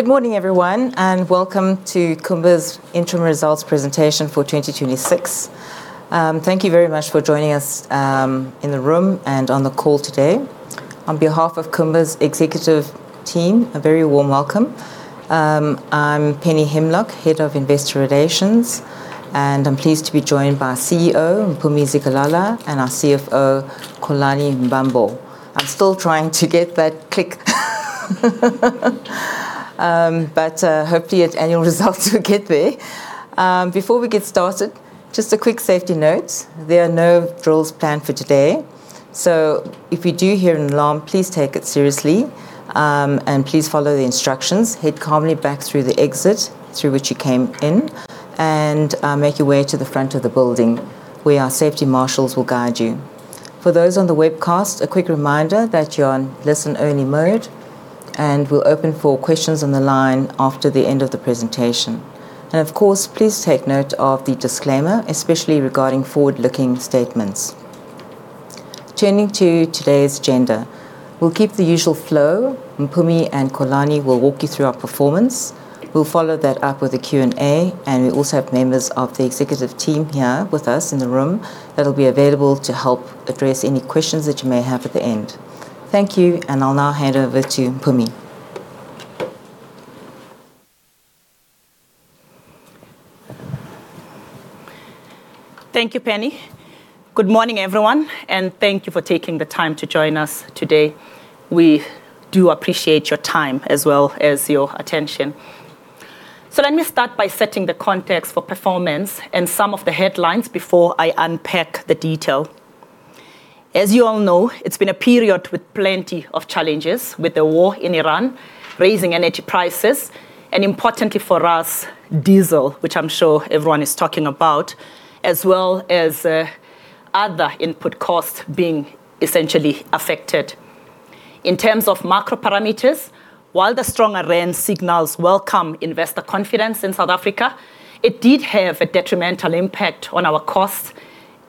Good morning, everyone, welcome to Kumba's interim results presentation for 2026. Thank you very much for joining us in the room and on the call today. On behalf of Kumba's executive team, a very warm welcome. I'm Penny Himlok, Head of Investor Relations, and I'm pleased to be joined by CEO, Mpumi Zikalala, and our CFO, Xolani Mbambo. I'm still trying to get that click. Hopefully at annual results we'll get there. Before we get started, just a quick safety note. There are no drills planned for today, so if you do hear an alarm, please take it seriously and please follow the instructions. Head calmly back through the exit through which you came in and make your way to the front of the building where our safety marshals will guide you. For those on the webcast, a quick reminder that you're on listen-only mode, and we'll open for questions on the line after the end of the presentation. Of course, please take note of the disclaimer, especially regarding forward-looking statements. Turning to today's agenda, we'll keep the usual flow. Mpumi and Xolani will walk you through our performance. We'll follow that up with a Q&A, and we also have members of the executive team here with us in the room that'll be available to help address any questions that you may have at the end. Thank you, and I'll now hand over to Mpumi. Thank you, Penny. Good morning, everyone, and thank you for taking the time to join us today. We do appreciate your time as well as your attention. Let me start by setting the context for performance and some of the headlines before I unpack the detail. As you all know, it's been a period with plenty of challenges with the war in Iran, raising energy prices, and importantly for us, diesel, which I'm sure everyone is talking about, as well as other input costs being essentially affected. In terms of macro parameters, while the stronger rand signals welcome investor confidence in South Africa, it did have a detrimental impact on our costs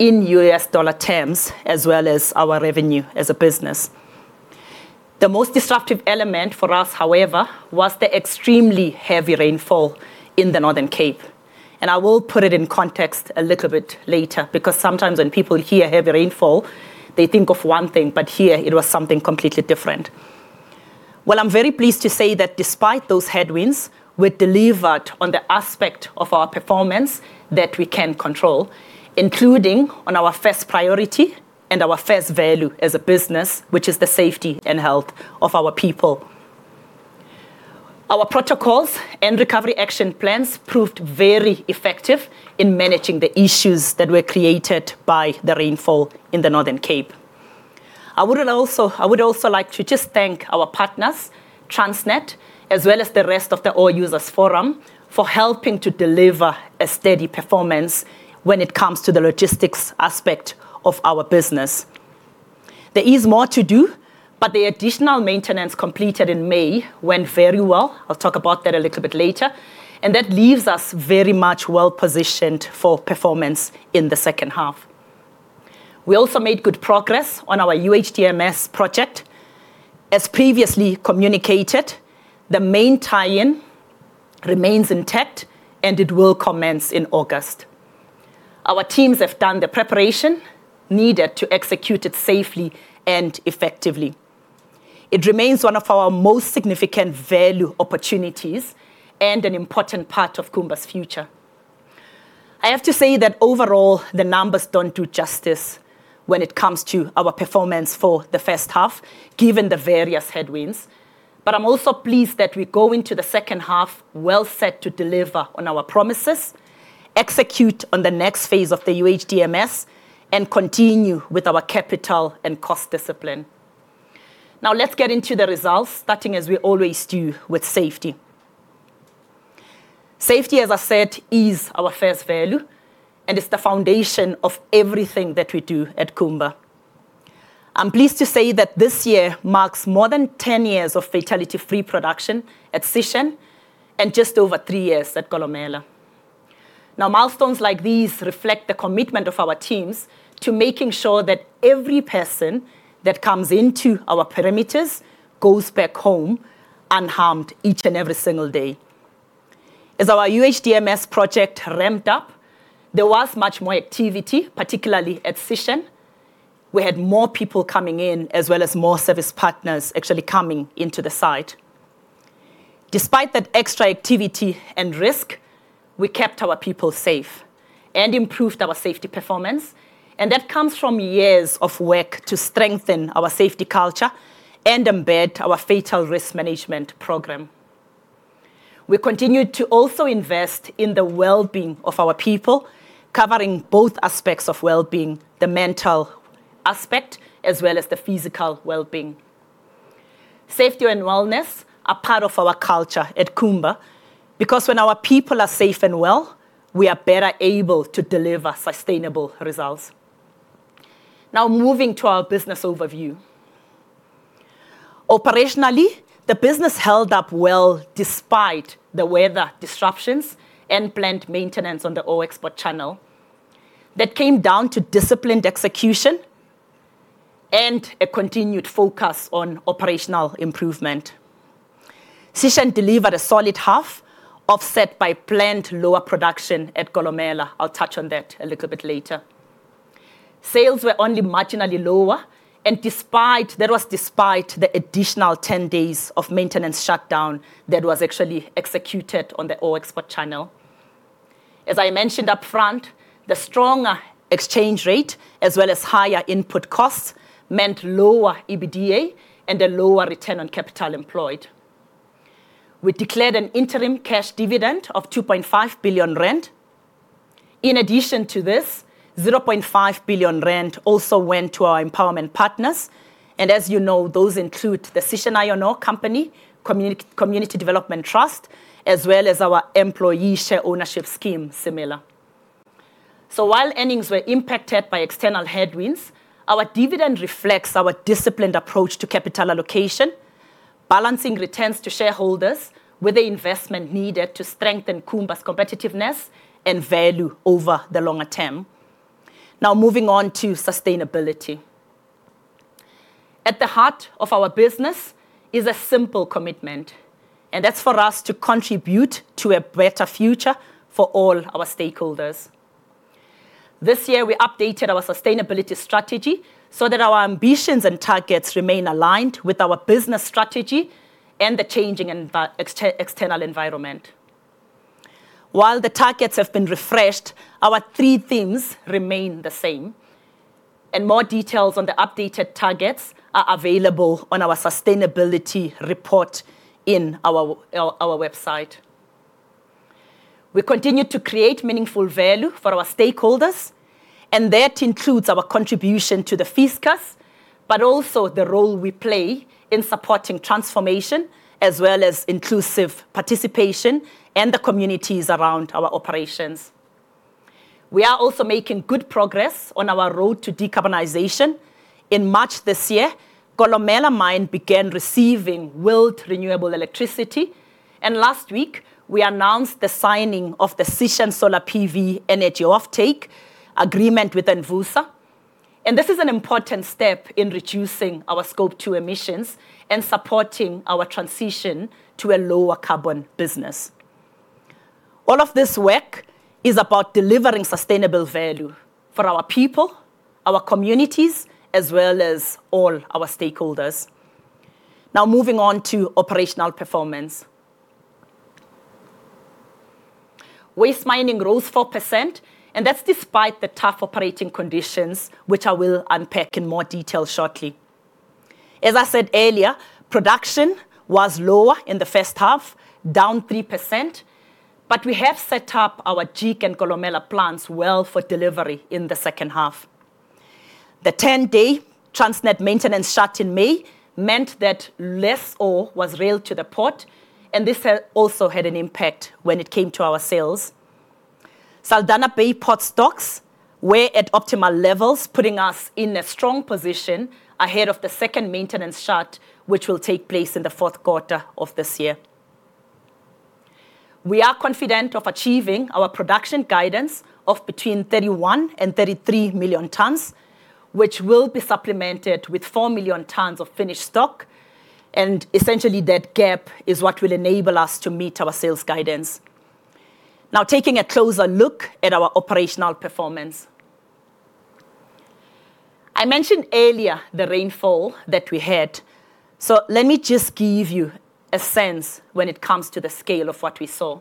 in U.S. dollar terms as well as our revenue as a business. The most disruptive element for us, however, was the extremely heavy rainfall in the Northern Cape. I will put it in context a little bit later because sometimes when people hear heavy rainfall, they think of one thing, but here it was something completely different. Well, I'm very pleased to say that despite those headwinds, we've delivered on the aspect of our performance that we can control, including on our first priority and our first value as a business, which is the safety and health of our people. Our protocols and recovery action plans proved very effective in managing the issues that were created by the rainfall in the Northern Cape. I would also like to just thank our partners, Transnet, as well as the rest of the Ore Users Forum, for helping to deliver a steady performance when it comes to the logistics aspect of our business. There is more to do, but the additional maintenance completed in May went very well. I'll talk about that a little bit later. That leaves us very much well-positioned for performance in the second half. We also made good progress on our UHDMS project. As previously communicated, the main tie-in remains intact, and it will commence in August. Our teams have done the preparation needed to execute it safely and effectively. It remains one of our most significant value opportunities and an important part of Kumba's future. I have to say that overall, the numbers don't do justice when it comes to our performance for the first half, given the various headwinds. I'm also pleased that we go into the second half well set to deliver on our promises, execute on the next phase of the UHDMS, and continue with our capital and cost discipline. Let's get into the results, starting as we always do with safety. Safety, as I said, is our first value, and it's the foundation of everything that we do at Kumba. I'm pleased to say that this year marks more than 10 years of fatality-free production at Sishen and just over three years at Kolomela. Milestones like these reflect the commitment of our teams to making sure that every person that comes into our perimeters goes back home unharmed each and every single day. As our UHDMS project ramped up, there was much more activity, particularly at Sishen. We had more people coming in, as well as more service partners actually coming into the site. Despite that extra activity and risk, we kept our people safe and improved our safety performance, and that comes from years of work to strengthen our safety culture and embed our fatal risk management program. We continued to also invest in the wellbeing of our people, covering both aspects of wellbeing, the mental aspect, as well as the physical wellbeing. Safety and wellness are part of our culture at Kumba, because when our people are safe and well, we are better able to deliver sustainable results. Moving to our business overview. Operationally, the business held up well despite the weather disruptions and plant maintenance on the ore export corridor. That came down to disciplined execution. A continued focus on operational improvement. Sishen delivered a solid half, offset by planned lower production at Kolomela. I'll touch on that a little bit later. Sales were only marginally lower, and that was despite the additional 10 days of maintenance shutdown that was actually executed on the ore export corridor. As I mentioned upfront, the strong exchange rate, as well as higher input costs, meant lower EBITDA and a lower return on capital employed. We declared an interim cash dividend of 2.5 billion rand. In addition to this, 0.5 billion rand also went to our empowerment partners, and as you know, those include the Sishen Iron Ore Company-Community Development Trust, as well as our employee share ownership scheme, Semela. While earnings were impacted by external headwinds, our dividend reflects our disciplined approach to capital allocation, balancing returns to shareholders with the investment needed to strengthen Kumba's competitiveness and value over the longer term. Moving on to sustainability. At the heart of our business is a simple commitment, that's for us to contribute to a better future for all our stakeholders. This year, we updated our sustainability strategy so that our ambitions and targets remain aligned with our business strategy and the changing external environment. While the targets have been refreshed, our three things remain the same, more details on the updated targets are available on our sustainability report in our website. We continue to create meaningful value for our stakeholders, that includes our contribution to the fiscus, but also the role we play in supporting transformation as well as inclusive participation in the communities around our operations. We are also making good progress on our road to decarbonization. In March this year, Kolomela mine began receiving wheeled renewable electricity. Last week we announced the signing of the Sishen Solar PV energy offtake agreement with Envusa. This is an important step in reducing our scope 2 emissions and supporting our transition to a lower carbon business. All of this work is about delivering sustainable value for our people, our communities, as well as all our stakeholders. Moving on to operational performance. Waste mining rose 4%, that's despite the tough operating conditions, which I will unpack in more detail shortly. As I said earlier, production was lower in the first half, down 3%, we have set up our Jig and Kolomela plants well for delivery in the second half. The 10-day Transnet maintenance shut in May meant that less ore was railed to the port. This also had an impact when it came to our sales. Saldanha Bay port stocks were at optimal levels, putting us in a strong position ahead of the second maintenance shut, which will take place in the fourth quarter of this year. We are confident of achieving our production guidance of between 31 million-33 million tons, which will be supplemented with 4 million tons of finished stock. Essentially, that gap is what will enable us to meet our sales guidance. Taking a closer look at our operational performance. I mentioned earlier the rainfall that we had. Let me just give you a sense when it comes to the scale of what we saw.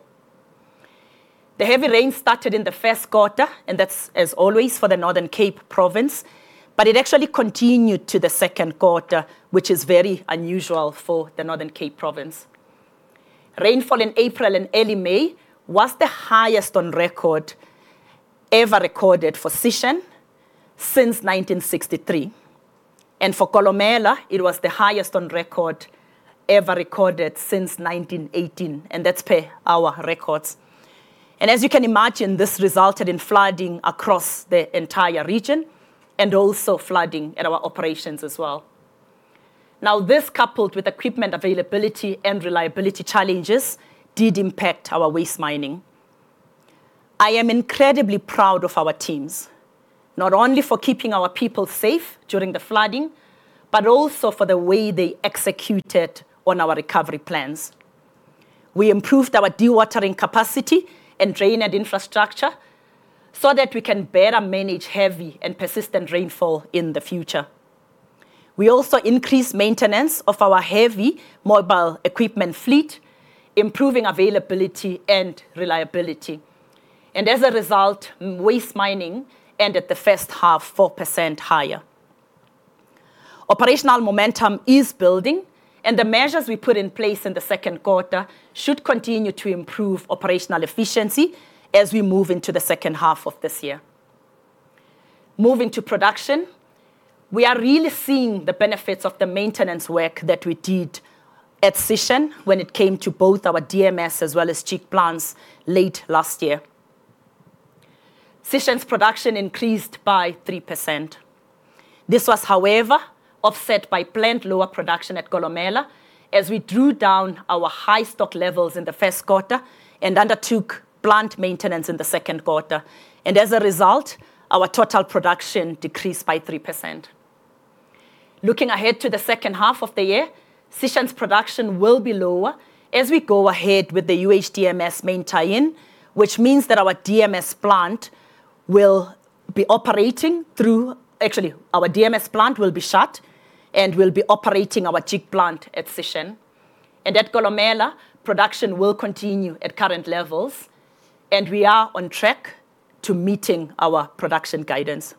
The heavy rain started in the first quarter, that's as always, for the Northern Cape Province, it actually continued to the second quarter, which is very unusual for the Northern Cape Province. Rainfall in April and early May was the highest on record, ever recorded for Sishen since 1963. For Kolomela, it was the highest on record ever recorded since 1918, that's per our records. As you can imagine, this resulted in flooding across the entire region and also flooding at our operations as well. This coupled with equipment availability and reliability challenges, did impact our waste mining. I am incredibly proud of our teams. Not only for keeping our people safe during the flooding, but also for the way they executed on our recovery plans. We improved our dewatering capacity and drainage infrastructure so that we can better manage heavy and persistent rainfall in the future. We also increased maintenance of our heavy mobile equipment fleet, improving availability and reliability. As a result, waste mining ended the first half 4% higher. Operational momentum is building, the measures we put in place in the second quarter should continue to improve operational efficiency as we move into the second half of this year. Moving to production. We are really seeing the benefits of the maintenance work that we did at Sishen when it came to both our DMS as well as Jig plants late last year. Sishen's production increased by 3%. This was, however, offset by planned lower production at Kolomela as we drew down our high stock levels in the first quarter and undertook plant maintenance in the second quarter. As a result, our total production decreased by 3%. Looking ahead to the second half of the year, Sishen's production will be lower as we go ahead with the UHDMS main tie-in, which means that our DMS plant will be shut and we'll be operating our Jig plant at Sishen. At Kolomela, production will continue at current levels, and we are on track to meeting our production guidance.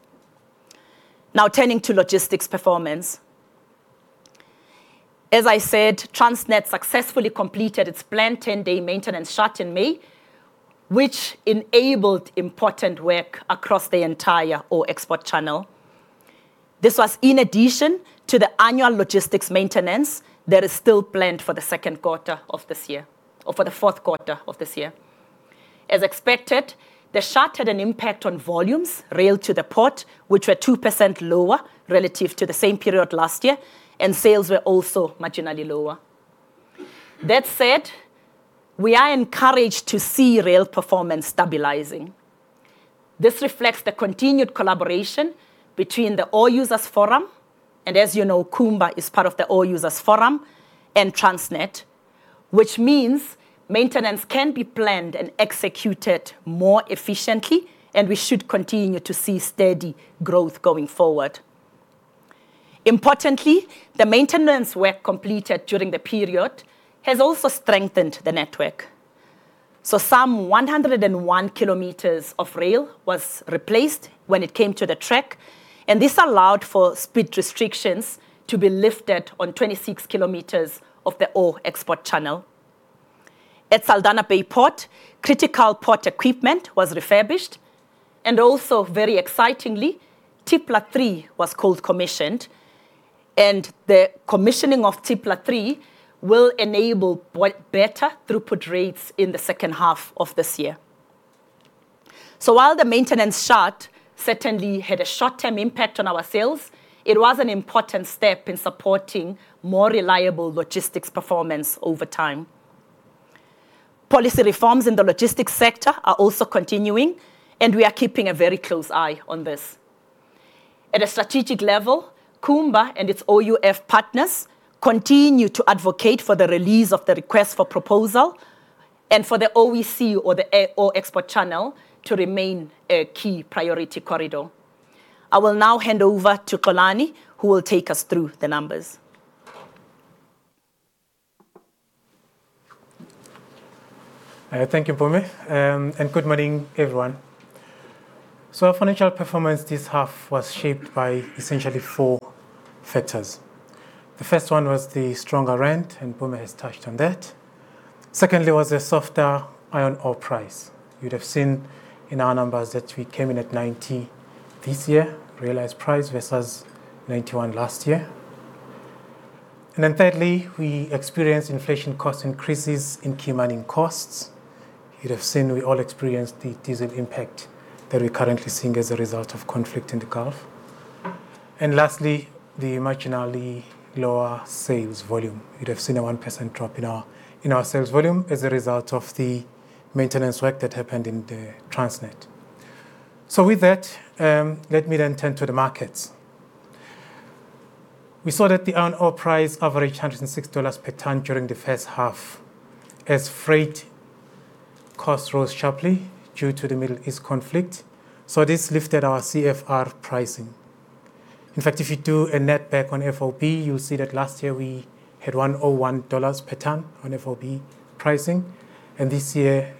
Now turning to logistics performance. As I said, Transnet successfully completed its planned 10-day maintenance shut in May, which enabled important work across the entire ore export channel. This was in addition to the annual logistics maintenance that is still planned for the second quarter of this year, or for the fourth quarter of this year. As expected, the shut had an impact on volumes railed to the port, which were 2% lower relative to the same period last year, and sales were also marginally lower. That said, we are encouraged to see rail performance stabilizing. This reflects the continued collaboration between the Ore Users Forum, and as you know, Kumba is part of the Ore Users Forum, and Transnet, which means maintenance can be planned and executed more efficiently, and we should continue to see steady growth going forward. Importantly, the maintenance work completed during the period has also strengthened the network. Some 101 km of rail was replaced when it came to the track, and this allowed for speed restrictions to be lifted on 26 km of the ore export channel. At the Saldanha Bay Port of Saldanha, critical port equipment was refurbished and also, very excitingly, Trippler 3 was cold commissioned, and the commissioning of Trippler 3 will enable better throughput rates in the second half of this year. While the maintenance shut certainly had a short-term impact on our sales, it was an important step in supporting more reliable logistics performance over time. Policy reforms in the logistics sector are also continuing, and we are keeping a very close eye on this. At a strategic level, Kumba and its OUF partners continue to advocate for the release of the request for proposal and for the OEC or the ore export channel to remain a key priority corridor. I will now hand over to Xolani, who will take us through the numbers. Thank you, Mpumi, and good morning, everyone. Our financial performance this half was shaped by essentially four factors. The first one was the stronger rand, and Mpumi has touched on that. Was a softer iron ore price. You'd have seen in our numbers that we came in at $90 this year, realized price versus $91 last year. Thirdly, we experienced inflation cost increases in key mining costs. You'd have seen we all experienced the diesel impact that we're currently seeing as a result of conflict in the Gulf. Lastly, the marginally lower sales volume. You'd have seen a 1% drop in our sales volume as a result of the maintenance work that happened in the Transnet. With that, let me turn to the markets. We saw that the iron ore price averaged $106 per ton during the first half as freight costs rose sharply due to the Middle East conflict. This lifted our CFR pricing. In fact, if you do a net back on FOB, you'll see that last year we had $101 per ton on FOB pricing and this year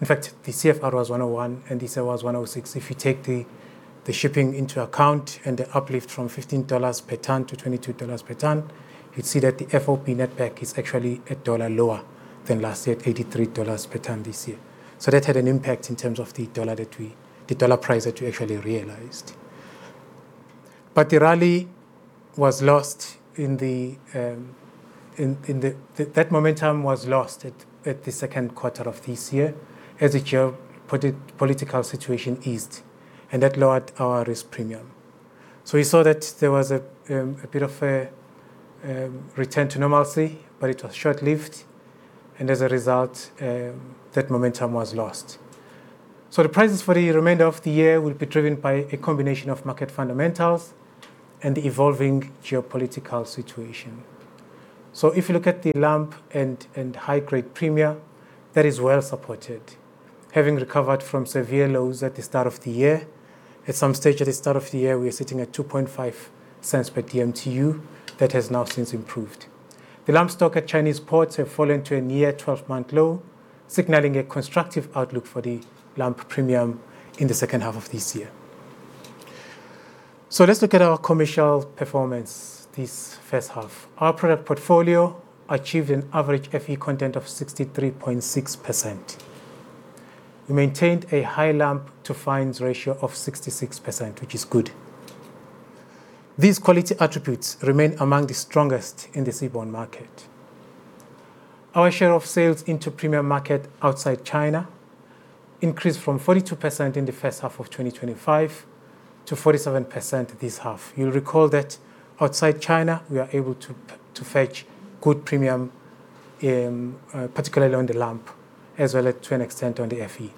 In fact, the CFR was $101 and this year was $106. If you take the shipping into account and the uplift from $15 per ton to $22 per ton, you'd see that the FOB net back is actually $1 lower than last year, $83 per ton this year. That had an impact in terms of the dollar price that we actually realized. The rally was lost. That momentum was lost at the second quarter of this year as the geopolitical situation eased, that lowered our risk premium. We saw that there was a bit of a return to normalcy, but it was short-lived, that momentum was lost. The prices for the remainder of the year will be driven by a combination of market fundamentals and the evolving geopolitical situation. If you look at the lump and high-grade premium, that is well supported. Having recovered from severe lows at the start of the year, at some stage at the start of the year, we were sitting at $0.0250 per dmtu. That has now since improved. The lump stock at Chinese ports have fallen to a near 12-month low, signaling a constructive outlook for the lump premium in the second half of this year. Let's look at our commercial performance this first half. Our product portfolio achieved an average Fe content of 63.6%. We maintained a high lump to fines ratio of 66%, which is good. These quality attributes remain among the strongest in the seaborne market. Our share of sales into premium market outside China increased from 42% in the first half of 2025 to 47% this half. You'll recall that outside China, we are able to fetch good premium, particularly on the lump, as well as to an extent on the Fe.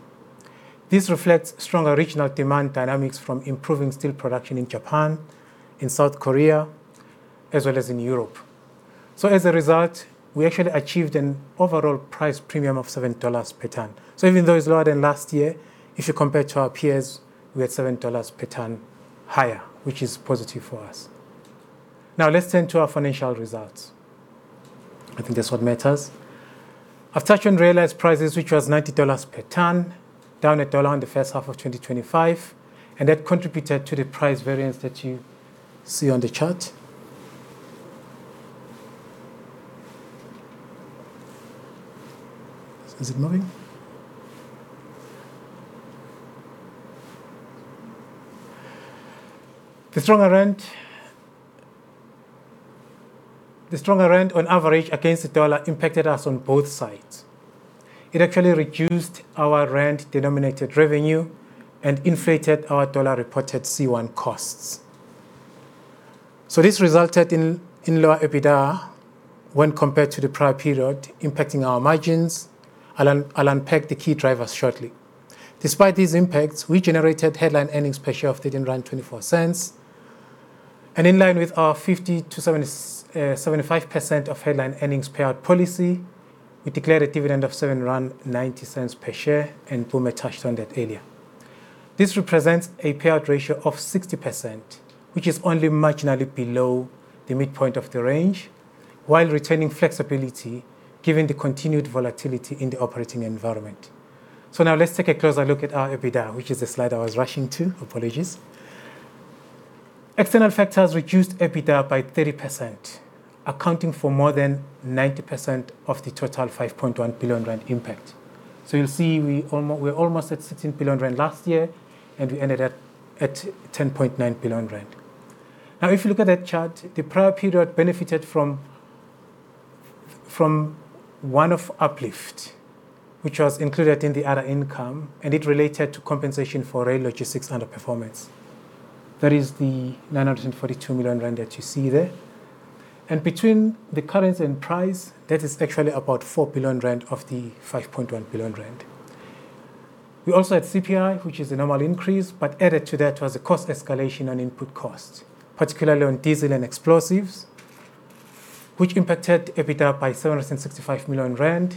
This reflects strong original demand dynamics from improving steel production in Japan, in South Korea, as well as Europe. As a result, we actually achieved an overall price premium of $7 per ton. Even though it's lower than last year, if you compare to our peers, we are $7 per ton higher, which is positive for us. Let's turn to our financial results. I think that's what matters. I've touched on realized prices, which was $90 per ton, down $1 in the first half of 2025, and that contributed to the price variance that you see on the chart. Is it moving? The strong rand, on average, against the dollar impacted us on both sides. It actually reduced our rand-denominated revenue and inflated our dollar-reported C1 costs. This resulted in lower EBITDA when compared to the prior period, impacting our margins. I'll unpack the key drivers shortly. Despite these impacts, we generated headline earnings per share of 8.24 rand. In line with our 50%-75% of headline earnings payout policy, we declared a dividend of 7.90 rand per share, and Mpumi touched on that earlier. This represents a payout ratio of 60%, which is only marginally below the midpoint of the range, while retaining flexibility given the continued volatility in the operating environment. Let's take a closer look at our EBITDA, which is the slide I was rushing to. Apologies. External factors reduced EBITDA by 30%, accounting for more than 90% of the total 5.1 billion rand impact. You'll see we're almost at 16 billion rand last year, and we ended at 10.9 billion rand. If you look at that chart, the prior period benefited from one-off uplift, which was included in the other income, and it related to compensation for rail logistics underperformance. That is the 942 million rand that you see there. Between the currency and price, that is actually about 4 billion rand of the 5.1 billion rand. We also had CPI, which is a normal increase. Added to that was a cost escalation on input costs, particularly on diesel and explosives, which impacted EBITDA by 765 million rand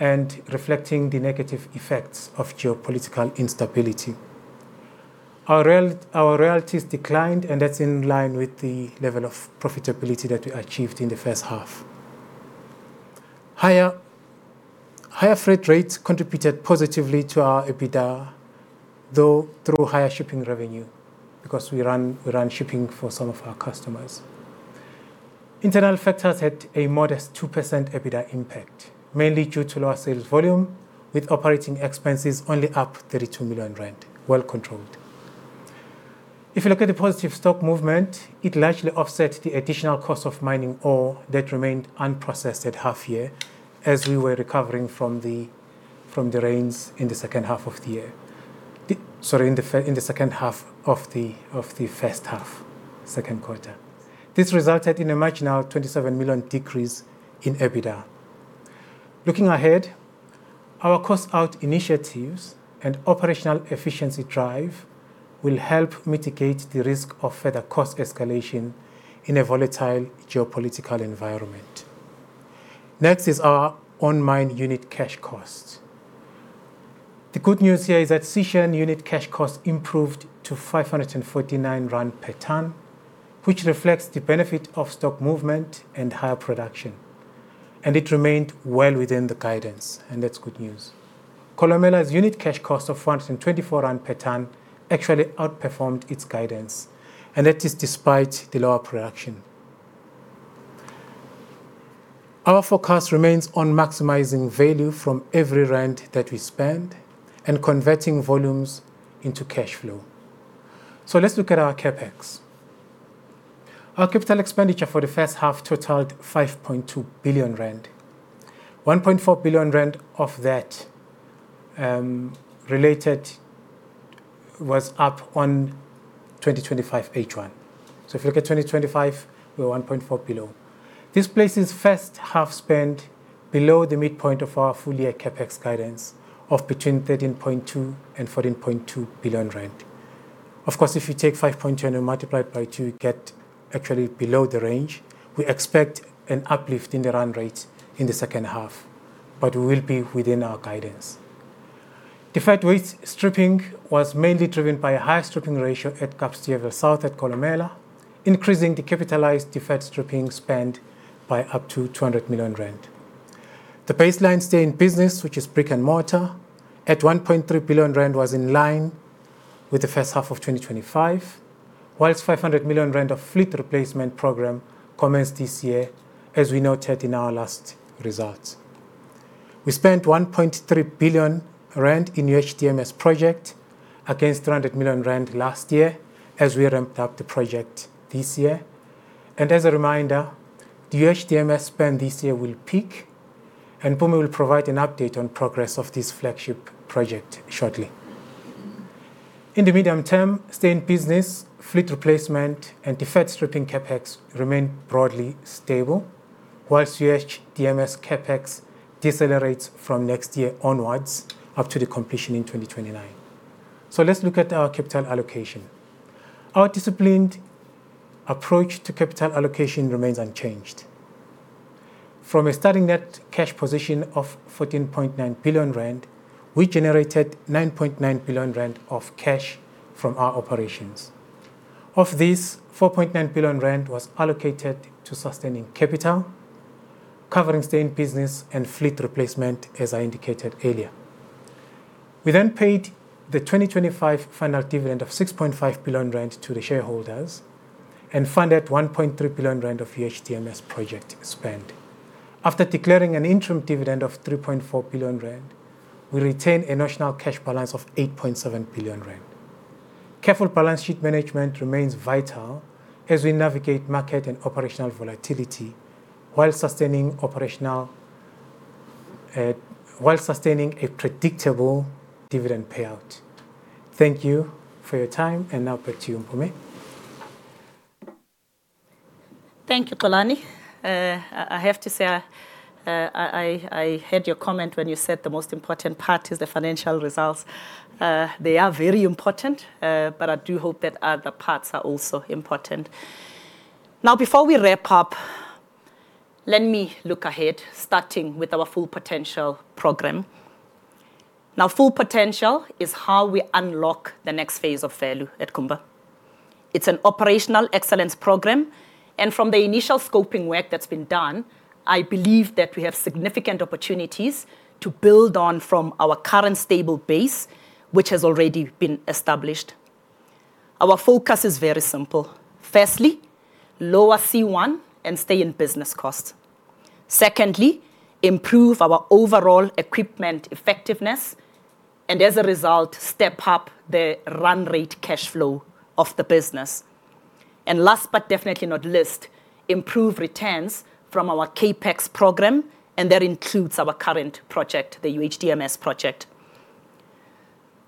and reflecting the negative effects of geopolitical instability. Our royalties declined, and that's in line with the level of profitability that we achieved in the first half. Higher freight rates contributed positively to our EBITDA, though, through higher shipping revenue because we run shipping for some of our customers. Internal factors had a modest 2% EBITDA impact, mainly due to lower sales volume, with operating expenses only up 32 million rand. Well controlled. If you look at the positive stock movement, it largely offset the additional cost of mining ore that remained unprocessed at half year, as we were recovering from the rains in the second half of the year. Sorry, in the second half of the first half, second quarter. This resulted in a marginal 27 million decrease in EBITDA. Looking ahead, our cost-out initiatives and operational efficiency drive will help mitigate the risk of further cost escalation in a volatile geopolitical environment. Next is our on-mine unit cash cost. The good news here is that Sishen unit cash cost improved to 549 rand per ton, which reflects the benefit of stock movement and higher production. It remained well within the guidance, and that's good news. Kolomela's unit cash cost of 124 rand per ton actually outperformed its guidance, and that is despite the lower production. Our forecast remains on maximizing value from every ZAR that we spend and converting volumes into cash flow. Let's look at our CapEx. Our capital expenditure for the first half totaled 5.2 billion rand. 1.4 billion rand of that was up on 2025 H1. If you look at 2025, we were 1.4 billion below. This places first half spend below the midpoint of our full-year CapEx guidance of between 13.2 billion and 14.2 billion rand. Of course, if you take 5.2 and you multiply by two, you get actually below the range. We expect an uplift in the rand rate in the second half, but we will be within our guidance. Deferred weight stripping was mainly driven by a higher stripping ratio at Kapstevel South at Kolomela, increasing the capitalized deferred stripping spend by up to 200 million rand. The baseline stay in business, which is brick and mortar, at 1.3 billion rand, was in line with the first half of 2025, whilst 500 million rand of fleet replacement program commenced this year, as we noted in our last results. We spent 1.3 billion rand in UHDMS project against 300 million rand last year as we ramped up the project this year. As a reminder, the UHDMS spend this year will peak, and Mpumi will provide an update on progress of this flagship project shortly. In the medium term, stay in business, fleet replacement, and debt stripping CapEx remain broadly stable, whilst UHDMS CapEx decelerates from next year onwards up to the completion in 2029. Let's look at our capital allocation. Our disciplined approach to capital allocation remains unchanged. From a starting net cash position of 14.9 billion rand, we generated 9.9 billion rand of cash from our operations. Of this, 4.9 billion rand was allocated to sustaining capital, covering stay in business and fleet replacement, as I indicated earlier. We paid the 2025 final dividend of 6.5 billion rand to the shareholders and funded 1.3 billion rand of UHDMS project spend. After declaring an interim dividend of 2.5 billion rand, we retain a national cash balance of 8.7 billion rand. Careful balance sheet management remains vital as we navigate market and operational volatility while sustaining a predictable dividend payout. Thank you for your time. Now back to you, Mpumi. Thank you, Xolani. I have to say, I heard your comment when you said the most important part is the financial results. They are very important. I do hope that other parts are also important. Before we wrap up, let me look ahead, starting with our Full Potential programme. Full Potential is how we unlock the next phase of value at Kumba. It's an operational excellence program. From the initial scoping work that's been done, I believe that we have significant opportunities to build on from our current stable base, which has already been established. Our focus is very simple. Firstly, lower C1 and stay-in-business costs. Secondly, improve our overall equipment effectiveness. As a result, step up the run rate cash flow of the business. Last but definitely not least, improve returns from our CapEx program, and that includes our current project, the UHDMS project.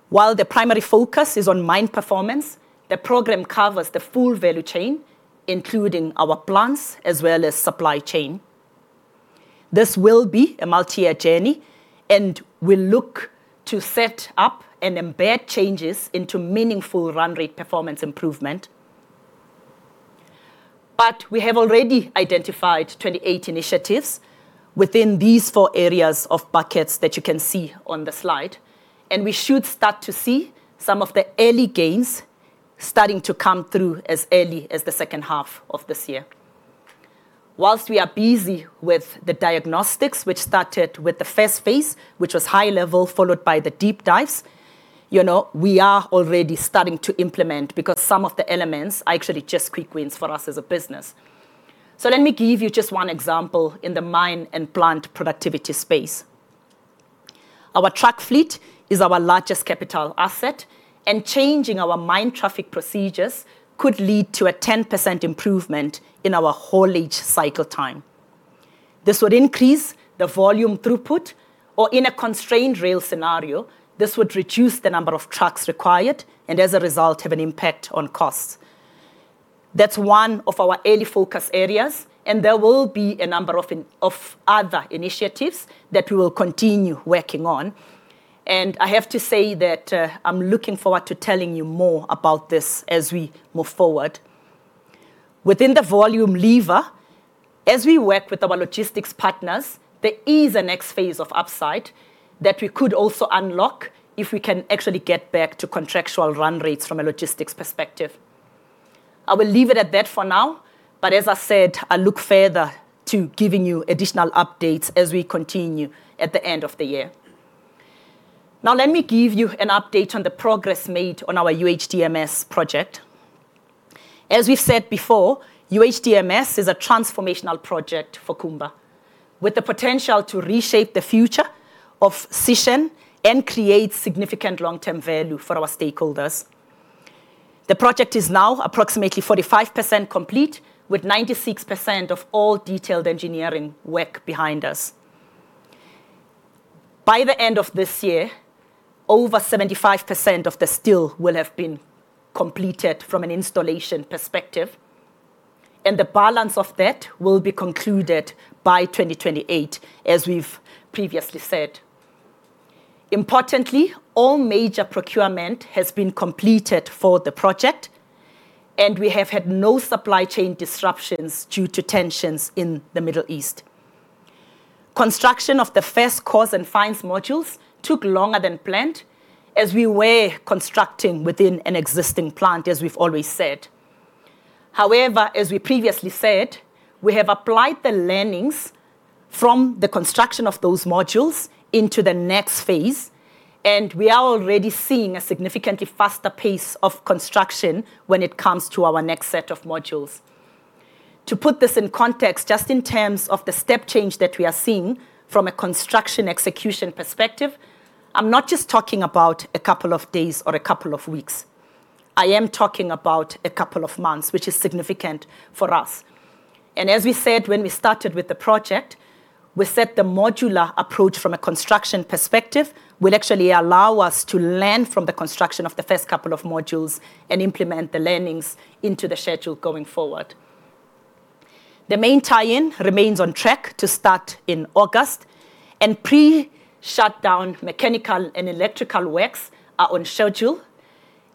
While the primary focus is on mine performance, the program covers the full value chain, including our plants as well as supply chain. This will be a multi-year journey, and we will look to set up and embed changes into meaningful run rate performance improvement. We have already identified 28 initiatives within these four areas of buckets that you can see on the slide, and we should start to see some of the early gains starting to come through as early as the second half of this year. Whilst we are busy with the diagnostics, which started with the first phase, which was high level, followed by the deep dives, we are already starting to implement because some of the elements are actually just quick wins for us as a business. Let me give you just one example in the mine and plant productivity space. Our truck fleet is our largest capital asset, and changing our mine traffic procedures could lead to a 10% improvement in our haulage cycle time. This would increase the volume throughput, or in a constrained rail scenario, this would reduce the number of trucks required and, as a result, have an impact on costs. That's one of our early focus areas, and there will be a number of other initiatives that we will continue working on. I have to say that I'm looking forward to telling you more about this as we move forward. Within the volume lever, as we work with our logistics partners, there is a next phase of upside that we could also unlock if we can actually get back to contractual run rates from a logistics perspective. I will leave it at that for now, but as I said, I look further to giving you additional updates as we continue at the end of the year. Now, let me give you an update on the progress made on our UHDMS project. As we've said before, UHDMS is a transformational project for Kumba, with the potential to reshape the future of Sishen and create significant long-term value for our stakeholders. The project is now approximately 45% complete, with 96% of all detailed engineering work behind us. By the end of this year, over 75% of the steel will have been completed from an installation perspective, and the balance of that will be concluded by 2028, as we've previously said. Importantly, all major procurement has been completed for the project, and we have had no supply chain disruptions due to tensions in the Middle East. Construction of the first coarse and fines modules took longer than planned as we were constructing within an existing plant, as we've always said. However, as we previously said, we have applied the learnings from the construction of those modules into the next phase, and we are already seeing a significantly faster pace of construction when it comes to our next set of modules. To put this in context, just in terms of the step change that we are seeing from a construction execution perspective, I'm not just talking about a couple of days or a couple of weeks. I am talking about a couple of months, which is significant for us. As we said when we started with the project, we set the modular approach from a construction perspective will actually allow us to learn from the construction of the first couple of modules and implement the learnings into the schedule going forward. The main tie-in remains on track to start in August. Pre-shutdown mechanical and electrical works are on schedule.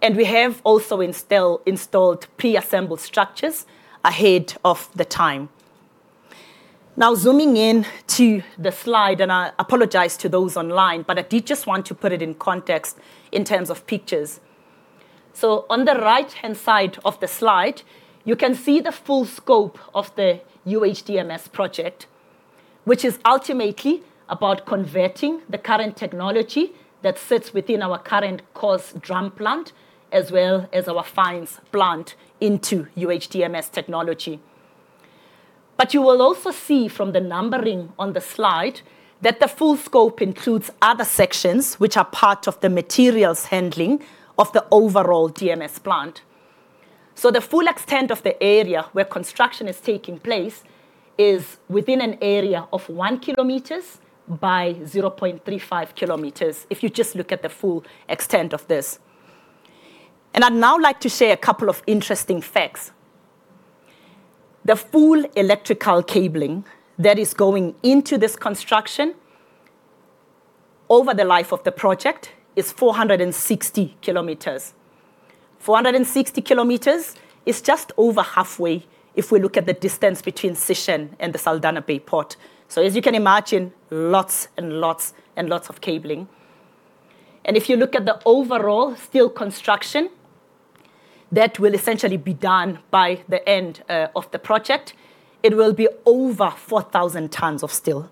We have also installed pre-assembled structures ahead of the time. Zooming in to the slide, I apologize to those online, I did just want to put it in context in terms of pictures. On the right-hand side of the slide, you can see the full scope of the UHDMS project, which is ultimately about converting the current technology that sits within our current coarse drum plant, as well as our fines plant into UHDMS technology. You will also see from the numbering on the slide that the full scope includes other sections which are part of the materials handling of the overall DMS plant. The full extent of the area where construction is taking place is within an area of 1 km by 0.35 km, if you just look at the full extent of this. I'd now like to share a couple of interesting facts. The full electrical cabling that is going into this construction over the life of the project is 460 km. 460 km is just over halfway if we look at the distance between Sishen and the Saldanha Bay Port. As you can imagine, lots and lots and lots of cabling. If you look at the overall steel construction, that will essentially be done by the end of the project. It will be over 4,000 tons of steel.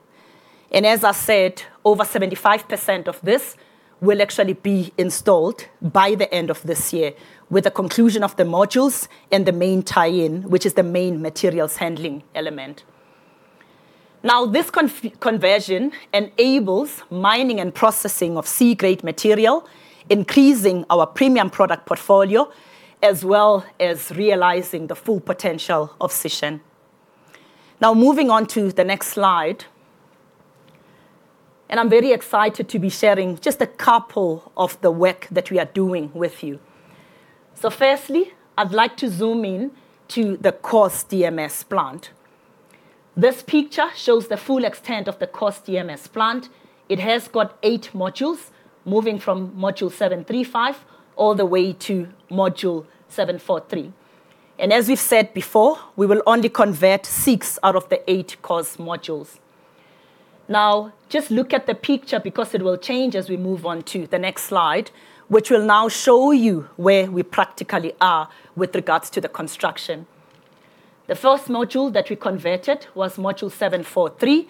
As I said, over 75% of this will actually be installed by the end of this year with the conclusion of the modules and the main tie-in, which is the main materials handling element. This conversion enables mining and processing of C-grade material, increasing our premium product portfolio, as well as realizing the Full Potential of Sishen. Moving on to the next slide, I'm very excited to be sharing just a couple of the work that we are doing with you. Firstly, I'd like to zoom in to the coarse DMS plant. This picture shows the full extent of the coarse DMS plant. It has got eight modules, moving from module 735 all the way to module 743. As we've said before, we will only convert six out of the eight coarse modules. Just look at the picture because it will change as we move on to the next slide, which will now show you where we practically are with regards to the construction. The first module that we converted was module 743.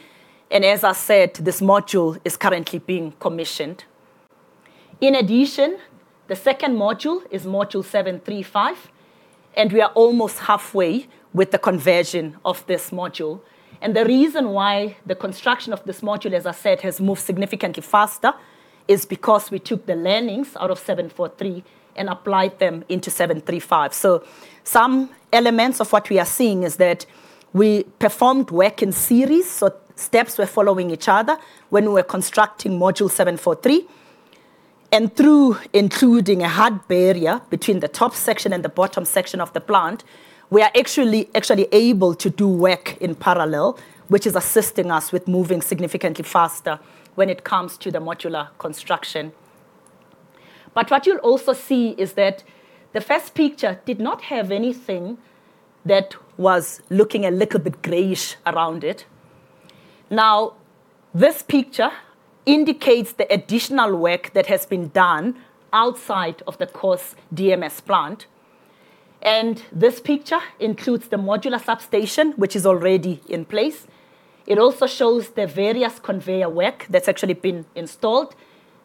As I said, this module is currently being commissioned. In addition, the second module is module 735. We are almost halfway with the conversion of this module. The reason why the construction of this module, as I said, has moved significantly faster is because we took the learnings out of 743 and applied them into 735. Some elements of what we are seeing is that we performed work in series, so steps were following each other when we were constructing module 743. Through including a hard barrier between the top section and the bottom section of the plant, we are actually able to do work in parallel, which is assisting us with moving significantly faster when it comes to the modular construction. What you'll also see is that the first picture did not have anything that was looking a little bit grayish around it. This picture indicates the additional work that has been done outside of the coarse DMS plant. This picture includes the modular substation, which is already in place. It also shows the various conveyor work that's actually been installed.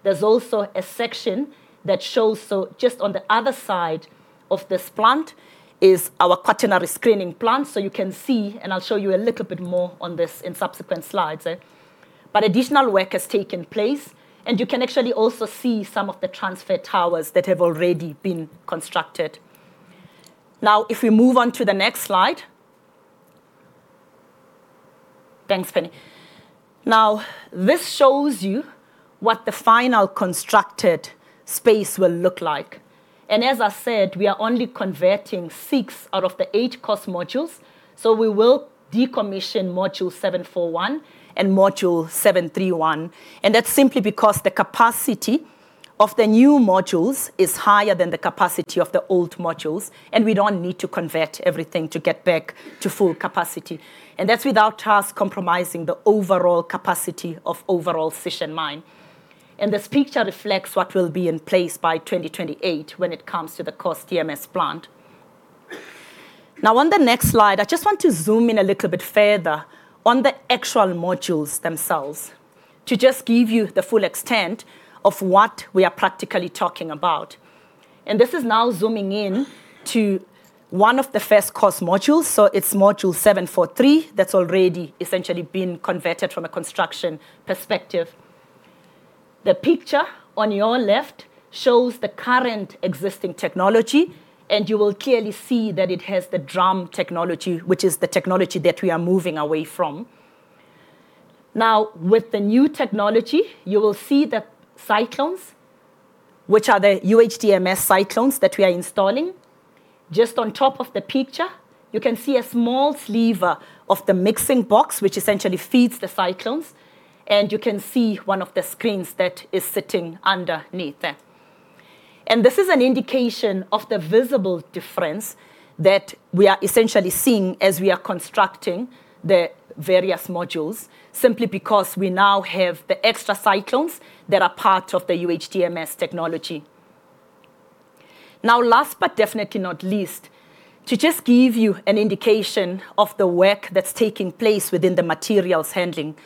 There's also a section that shows, just on the other side of this plant is our quaternary screening plant. You can see, and I'll show you a little bit more on this in subsequent slides. Additional work has taken place, and you can actually also see some of the transfer towers that have already been constructed. If we move on to the next slide. Thanks, Penny. Now, this shows you what the final constructed space will look like. As I said, we are only converting six out of the eight coarse modules. We will decommission module 741 and module 731, and that's simply because the capacity of the new modules is higher than the capacity of the old modules, and we don't need to convert everything to get back to full capacity. That's without us compromising the overall capacity of overall Sishen mine. This picture reflects what will be in place by 2028 when it comes to the coarse DMS plant. On the next slide, I just want to zoom in a little bit further on the actual modules themselves. To just give you the full extent of what we are practically talking about. This is now zooming in to one of the first coarse modules, so it's module 743 that's already essentially been converted from a construction perspective. The picture on your left shows the current existing technology, and you will clearly see that it has the drum technology, which is the technology that we are moving away from. With the new technology, you will see the cyclones, which are the UHDMS cyclones that we are installing. Just on top of the picture, you can see a small sliver of the mixing box, which essentially feeds the cyclones, and you can see one of the screens that is sitting underneath there. This is an indication of the visible difference that we are essentially seeing as we are constructing the various modules, simply because we now have the extra cyclones that are part of the UHDMS technology. Last but definitely not least, to just give you an indication of the work that's taking place within the materials handling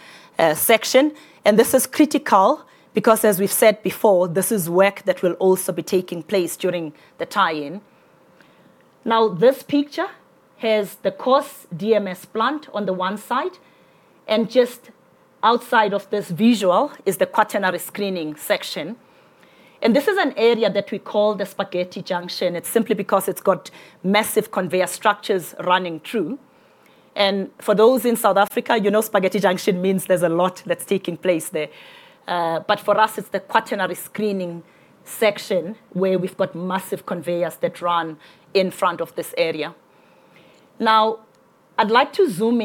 section. This is critical because, as we've said before, this is work that will also be taking place during the tie-in. This picture has the coarse DMS plant on the one side, and just outside of this visual is the quaternary screening section. This is an area that we call the Spaghetti Junction. It's simply because it's got massive conveyor structures running through. For those in South Africa, you know Spaghetti Junction means there's a lot that's taking place there. For us, it's the quaternary screening section where we've got massive conveyors that run in front of this area. I'd like to zoom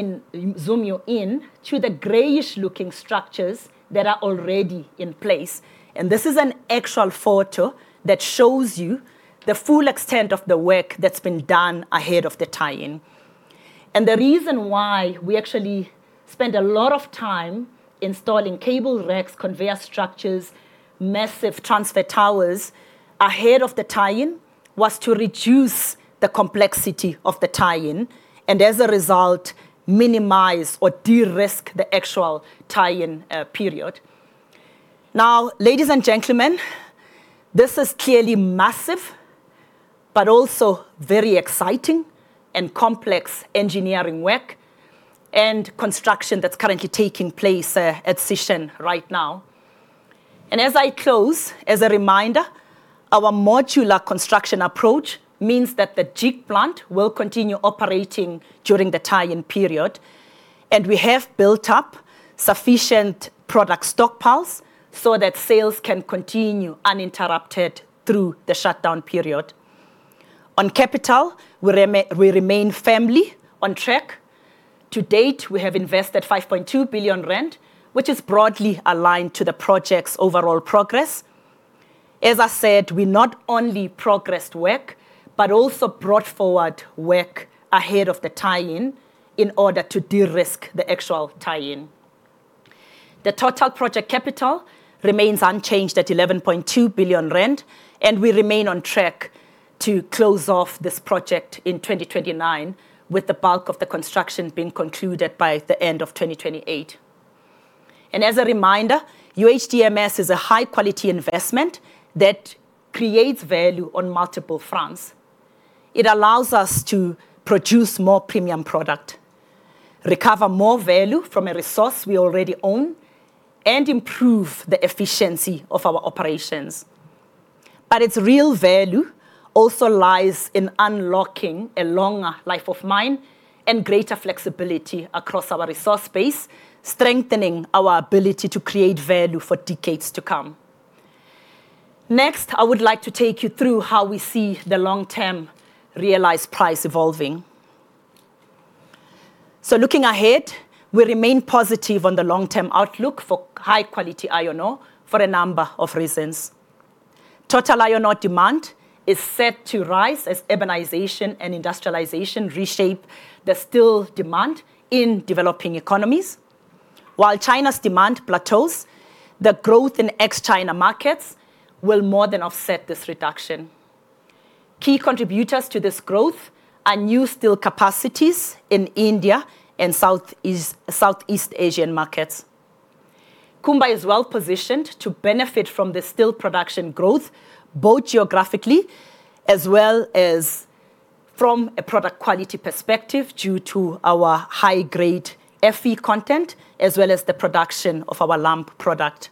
you in to the grayish-looking structures that are already in place. This is an actual photo that shows you the full extent of the work that's been done ahead of the tie-in. The reason why we actually spend a lot of time installing cable racks, conveyor structures, massive transfer towers ahead of the tie-in was to reduce the complexity of the tie-in, and as a result, minimize or de-risk the actual tie-in period. Ladies and gentlemen, this is clearly massive, but also very exciting and complex engineering work and construction that's currently taking place at Sishen right now. As I close, as a reminder, our modular construction approach means that the Jig plant will continue operating during the tie-in period, and we have built up sufficient product stockpiles so that sales can continue uninterrupted through the shutdown period. On capital, we remain firmly on track. To date, we have invested 5.2 billion rand, which is broadly aligned to the project's overall progress. As I said, we not only progressed work, but also brought forward work ahead of the tie-in in order to de-risk the actual tie-in. The total project capital remains unchanged at 11.2 billion rand, and we remain on track to close off this project in 2029, with the bulk of the construction being concluded by the end of 2028. As a reminder, UHDMS is a high-quality investment that creates value on multiple fronts. It allows us to produce more premium product, recover more value from a resource we already own, and improve the efficiency of our operations. Its real value also lies in unlocking a longer life of mine and greater flexibility across our resource base, strengthening our ability to create value for decades to come. I would like to take you through how we see the long-term realized price evolving. Looking ahead, we remain positive on the long-term outlook for high-quality iron ore for a number of reasons. Total iron ore demand is set to rise as urbanization and industrialization reshape the steel demand in developing economies. While China's demand plateaus, the growth in ex-China markets will more than offset this reduction. Key contributors to this growth are new steel capacities in India and Southeast Asian markets. Kumba is well-positioned to benefit from the steel production growth, both geographically as well as from a product quality perspective, due to our high-grade Fe content as well as the production of our lump product.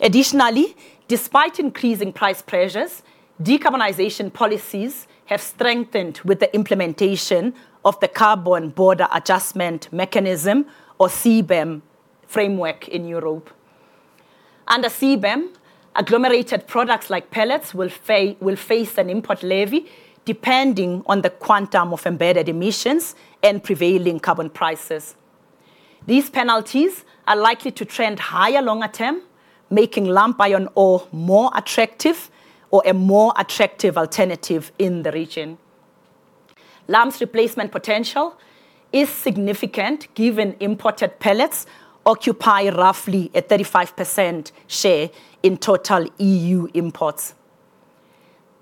Additionally, despite increasing price pressures, decarbonization policies have strengthened with the implementation of the Carbon Border Adjustment Mechanism, or CBAM, framework in Europe. Under CBAM, agglomerated products like pellets will face an import levy depending on the quantum of embedded emissions and prevailing carbon prices. These penalties are likely to trend higher longer term, making lump iron ore more attractive or a more attractive alternative in the region. Lump's replacement potential is significant given imported pellets occupy roughly a 35% share in total EU imports.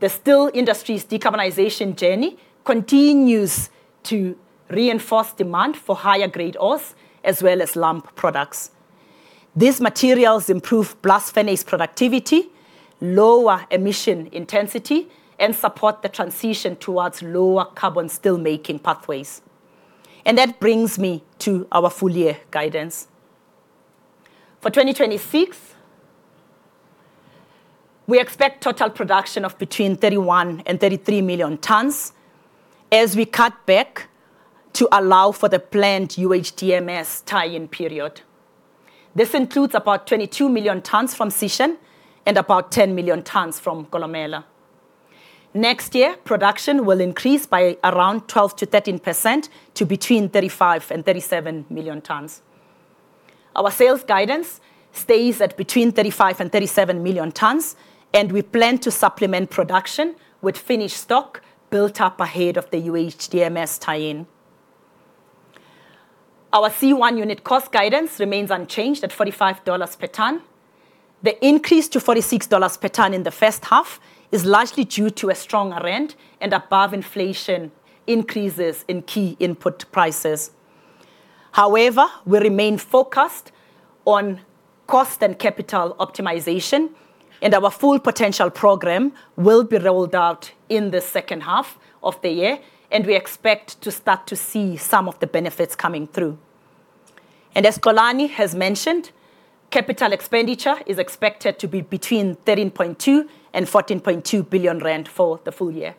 The steel industry's decarbonization journey continues to reinforce demand for higher grade ores as well as lump products. These materials improve blast furnace productivity, lower emission intensity, and support the transition towards lower carbon steelmaking pathways. That brings me to our full year guidance. For 2026, we expect total production of between 31 million and 33 million tons as we cut back to allow for the planned UHDMS tie-in period. This includes about 22 million tons from Sishen and about 10 million tons from Kolomela. Next year, production will increase by around 12%-13%, to between 35 million and 37 million tons. Our sales guidance stays at between 35 million and 37 million tons, and we plan to supplement production with finished stock built up ahead of the UHDMS tie-in. Our C1 unit cost guidance remains unchanged at $45 per ton. The increase to $46 per ton in the first half is largely due to a strong rand and above inflation increases in key input prices. However, we remain focused on cost and capital optimization, and our Full Potential programme will be rolled out in the second half of the year, and we expect to start to see some of the benefits coming through. As Xolani has mentioned, capital expenditure is expected to be between 13.2 billion and 14.2 billion rand for the full year.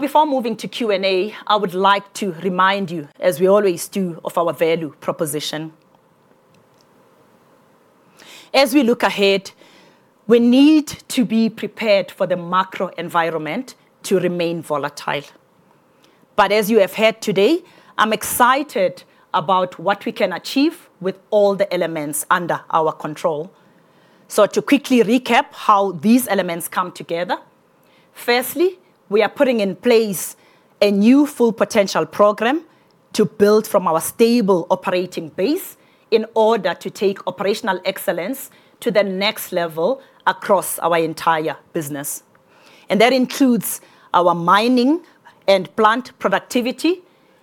Before moving to Q&A, I would like to remind you, as we always do, of our value proposition. As we look ahead, we need to be prepared for the macro environment to remain volatile. As you have heard today, I'm excited about what we can achieve with all the elements under our control. To quickly recap how these elements come together, firstly, we are putting in place a new Full Potential programme to build from our stable operating base in order to take operational excellence to the next level across our entire business. That includes our mining and plant productivity.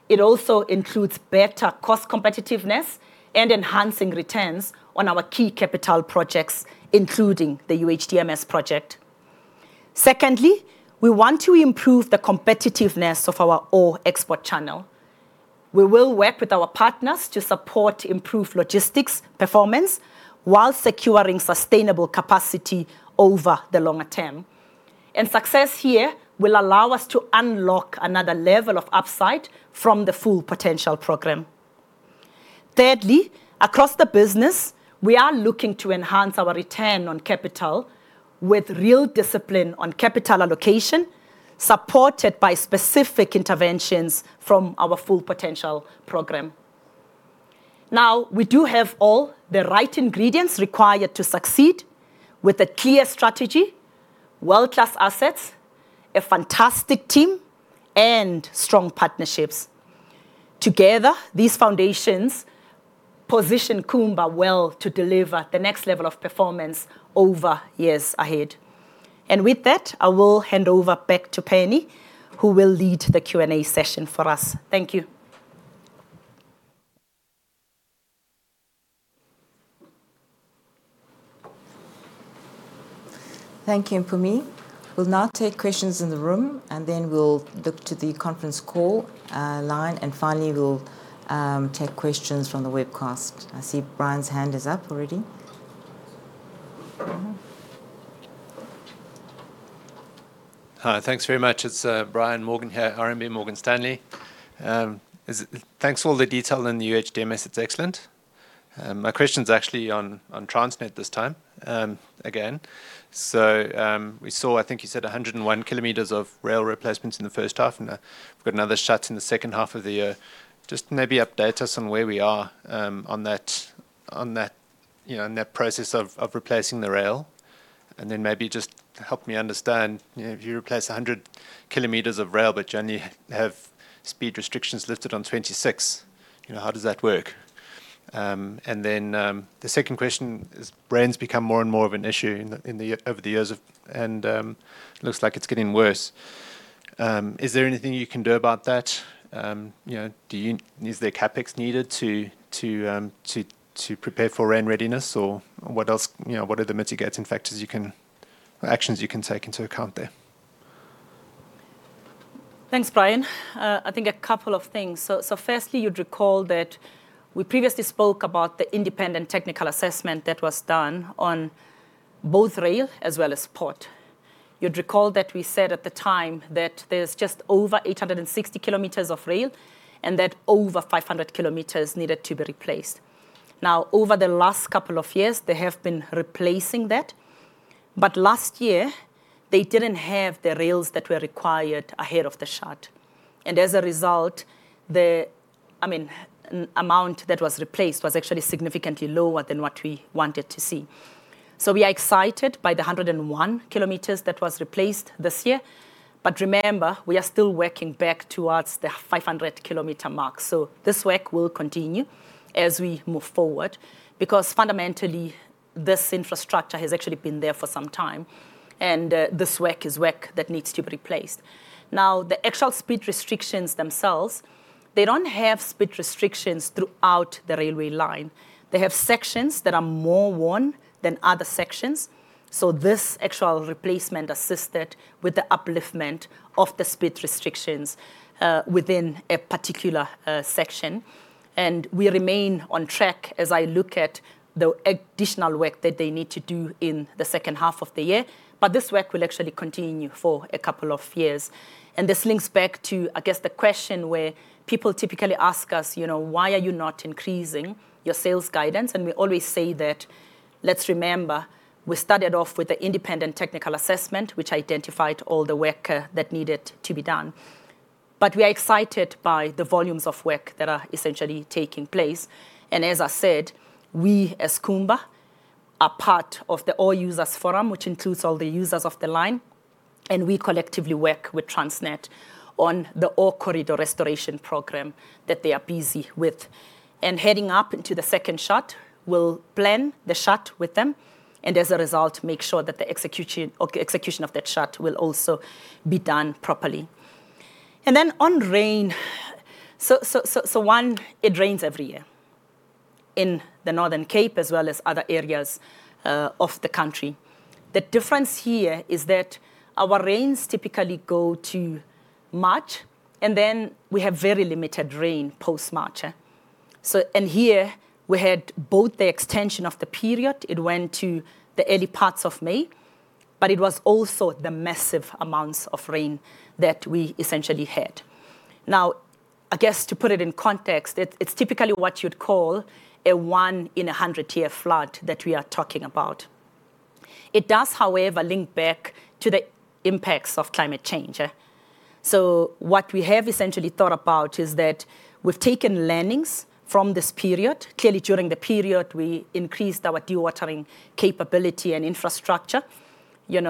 It also includes better cost competitiveness and enhancing returns on our key capital projects, including the UHDMS project. Secondly, we want to improve the competitiveness of our ore export corridor. We will work with our partners to support improved logistics performance while securing sustainable capacity over the longer term. Success here will allow us to unlock another level of upside from the Full Potential programme. Thirdly, across the business, we are looking to enhance our return on capital with real discipline on capital allocation, supported by specific interventions from our Full Potential programme. Now, we do have all the right ingredients required to succeed with a clear strategy, world-class assets, a fantastic team, and strong partnerships. Together, these foundations position Kumba well to deliver the next level of performance over years ahead. With that, I will hand over back to Penny, who will lead the Q&A session for us. Thank you. Thank you, Mpumi. We'll now take questions in the room, then we'll look to the conference call line, and finally, we'll take questions from the webcast. I see Brian's hand is up already. Hi, thanks very much. It's Brian Morgan here, RMB Morgan Stanley. Thanks for all the detail on the UHDMS. It's excellent. My question's actually on Transnet this time, again. We saw, I think you said 101 km of rail replacements in the first half, and we've got another shut in the second half of the year. Just maybe update us on where we are on that process of replacing the rail, then maybe just help me understand, if you replace 100 km of rail, but you only have speed restrictions lifted on 26, how does that work? The second question is, rain's become more and more of an issue over the years, and it looks like it's getting worse. Is there anything you can do about that? Is there CapEx needed to prepare for rain readiness? What are the mitigating factors you can, or actions you can take into account there? Thanks, Brian. I think a couple of things. Firstly, you'd recall that we previously spoke about the independent technical assessment that was done on both rail as well as port. You'd recall that we said at the time that there's just over 860 km of rail and that over 500 km needed to be replaced. Over the last couple of years, they have been replacing that. Last year, they didn't have the rails that were required ahead of the shut. As a result, the amount that was replaced was actually significantly lower than what we wanted to see. We are excited by the 101 km that was replaced this year. Remember, we are still working back towards the 500 km mark. This work will continue as we move forward because fundamentally this infrastructure has actually been there for some time, and this work is work that needs to be replaced. The actual speed restrictions themselves, they don't have speed restrictions throughout the railway line. They have sections that are more worn than other sections, so this actual replacement assisted with the upliftment of the speed restrictions within a particular section. We remain on track as I look at the additional work that they need to do in the second half of the year. This work will actually continue for a couple of years, and this links back to, I guess, the question where people typically ask us, why are you not increasing your sales guidance? We always say that, let's remember, we started off with the independent technical assessment, which identified all the work that needed to be done. We are excited by the volumes of work that are essentially taking place, and as I said, we as Kumba are part of the Ore Users Forum, which includes all the users of the line, and we collectively work with Transnet on the Ore Corridor Restoration programme that they are busy with. Heading up into the second shut, we'll plan the shut with them and, as a result, make sure that the execution of that shut will also be done properly. Then on rain. One, it rains every year in the Northern Cape as well as other areas of the country. The difference here is that our rains typically go to March, and then we have very limited rain post-March. Here we had both the extension of the period, it went to the early parts of May, it was also the massive amounts of rain that we essentially had. I guess to put it in context, it's typically what you'd call a one in 100 year flood that we are talking about. It does, however, link back to the impacts of climate change. What we have essentially thought about is that we've taken learnings from this period. Clearly, during the period, we increased our dewatering capability and infrastructure in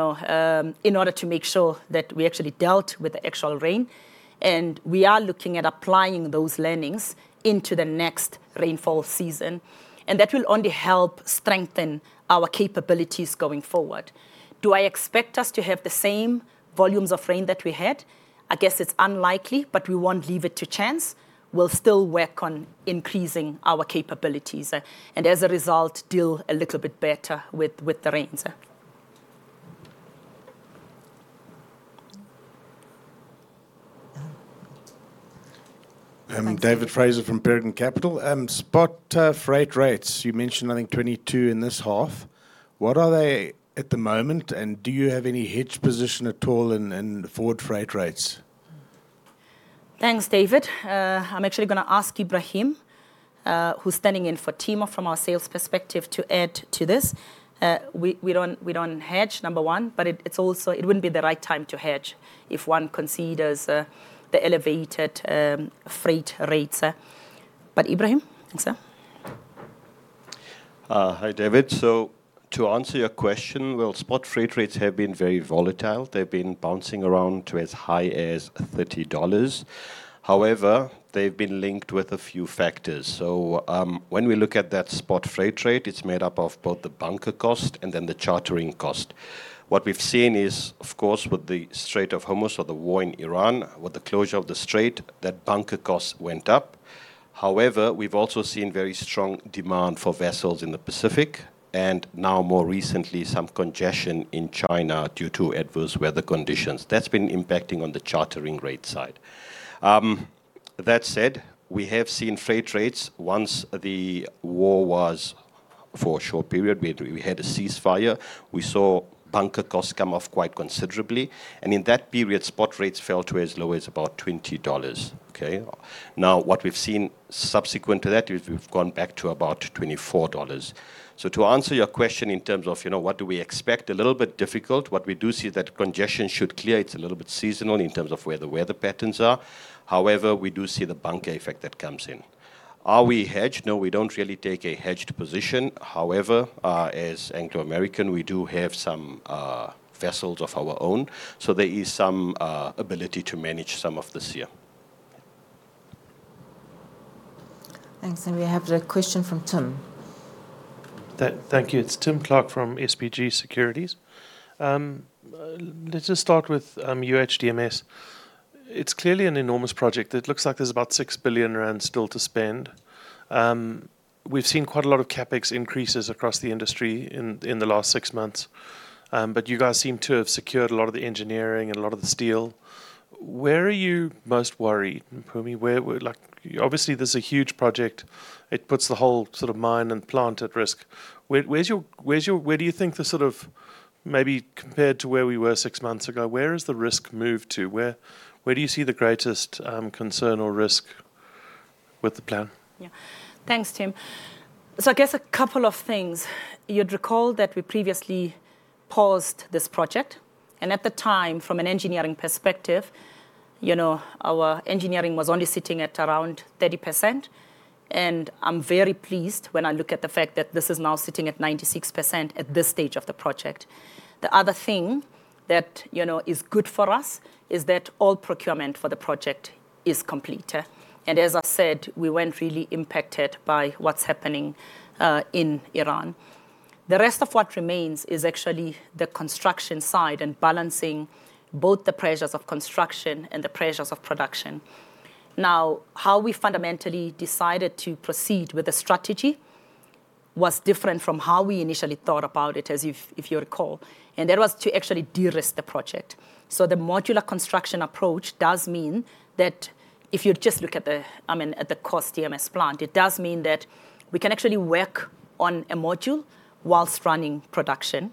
order to make sure that we actually dealt with the actual rain. We are looking at applying those learnings into the next rainfall season, and that will only help strengthen our capabilities going forward. Do I expect us to have the same volumes of rain that we had? I guess it's unlikely, we won't leave it to chance. We'll still work on increasing our capabilities and, as a result, deal a little bit better with the rains. David Fraser from Peregrine Capital. Spot freight rates. You mentioned, I think, $22 in this half. What are they at the moment, and do you have any hedge position at all in forward freight rates? Thanks, David. I'm actually going to ask Ibrahim, who's standing in for Timo from our sales perspective to add to this. We don't hedge, number one. It wouldn't be the right time to hedge if one considers the elevated freight rates. Ibrahim, thanks. Hi, David. To answer your question, well, spot freight rates have been very volatile. They've been bouncing around to as high as $30. However, they've been linked with a few factors. When we look at that spot freight rate, it's made up of both the bunker cost and then the chartering cost. What we've seen is, of course, with the Strait of Hormuz or the war in Iran, with the closure of the strait, that bunker cost went up. However, we've also seen very strong demand for vessels in the Pacific, and now more recently, some congestion in China due to adverse weather conditions. That's been impacting on the chartering rate side. That said, we have seen freight rates once the war was for a short period, we had a ceasefire, we saw bunker costs come off quite considerably, and in that period, spot rates fell to as low as about $20. Okay. What we've seen subsequent to that is we've gone back to about $24. To answer your question in terms of what do we expect? A little bit difficult. What we do see that congestion should clear. It's a little bit seasonal in terms of where the weather patterns are. However, we do see the bunker effect that comes in. Are we hedged? No, we don't really take a hedged position. However, as Anglo American, we do have some vessels of our own. There is some ability to manage some of this year. Thanks. We have a question from Tim. Thank you. It is Tim Clark from SBG Securities. Let us just start with UHDMS. It is clearly an enormous project. It looks like there is about 6 billion rand still to spend. We have seen quite a lot of CapEx increases across the industry in the last six months. You guys seem to have secured a lot of the engineering and a lot of the steel. Where are you most worried, Mpumi? Obviously, this is a huge project. It puts the whole mine and plant at risk. Where do you think the sort of, maybe compared to where we were six months ago, where has the risk moved to? Where do you see the greatest concern or risk with the plan? Yeah. Thanks, Tim. I guess a couple of things. You would recall that we previously paused this project, and at the time, from an engineering perspective, our engineering was only sitting at around 30%, and I am very pleased when I look at the fact that this is now sitting at 96% at this stage of the project. The other thing that is good for us is that all procurement for the project is complete. As I have said, we were not really impacted by what is happening in Iran. The rest of what remains is actually the construction side and balancing both the pressures of construction and the pressures of production. Now, how we fundamentally decided to proceed with the strategy was different from how we initially thought about it, as if you recall, and that was to actually de-risk the project. The modular construction approach does mean that if you just look at the cost DMS plant, it does mean that we can actually work on a module whilst running production.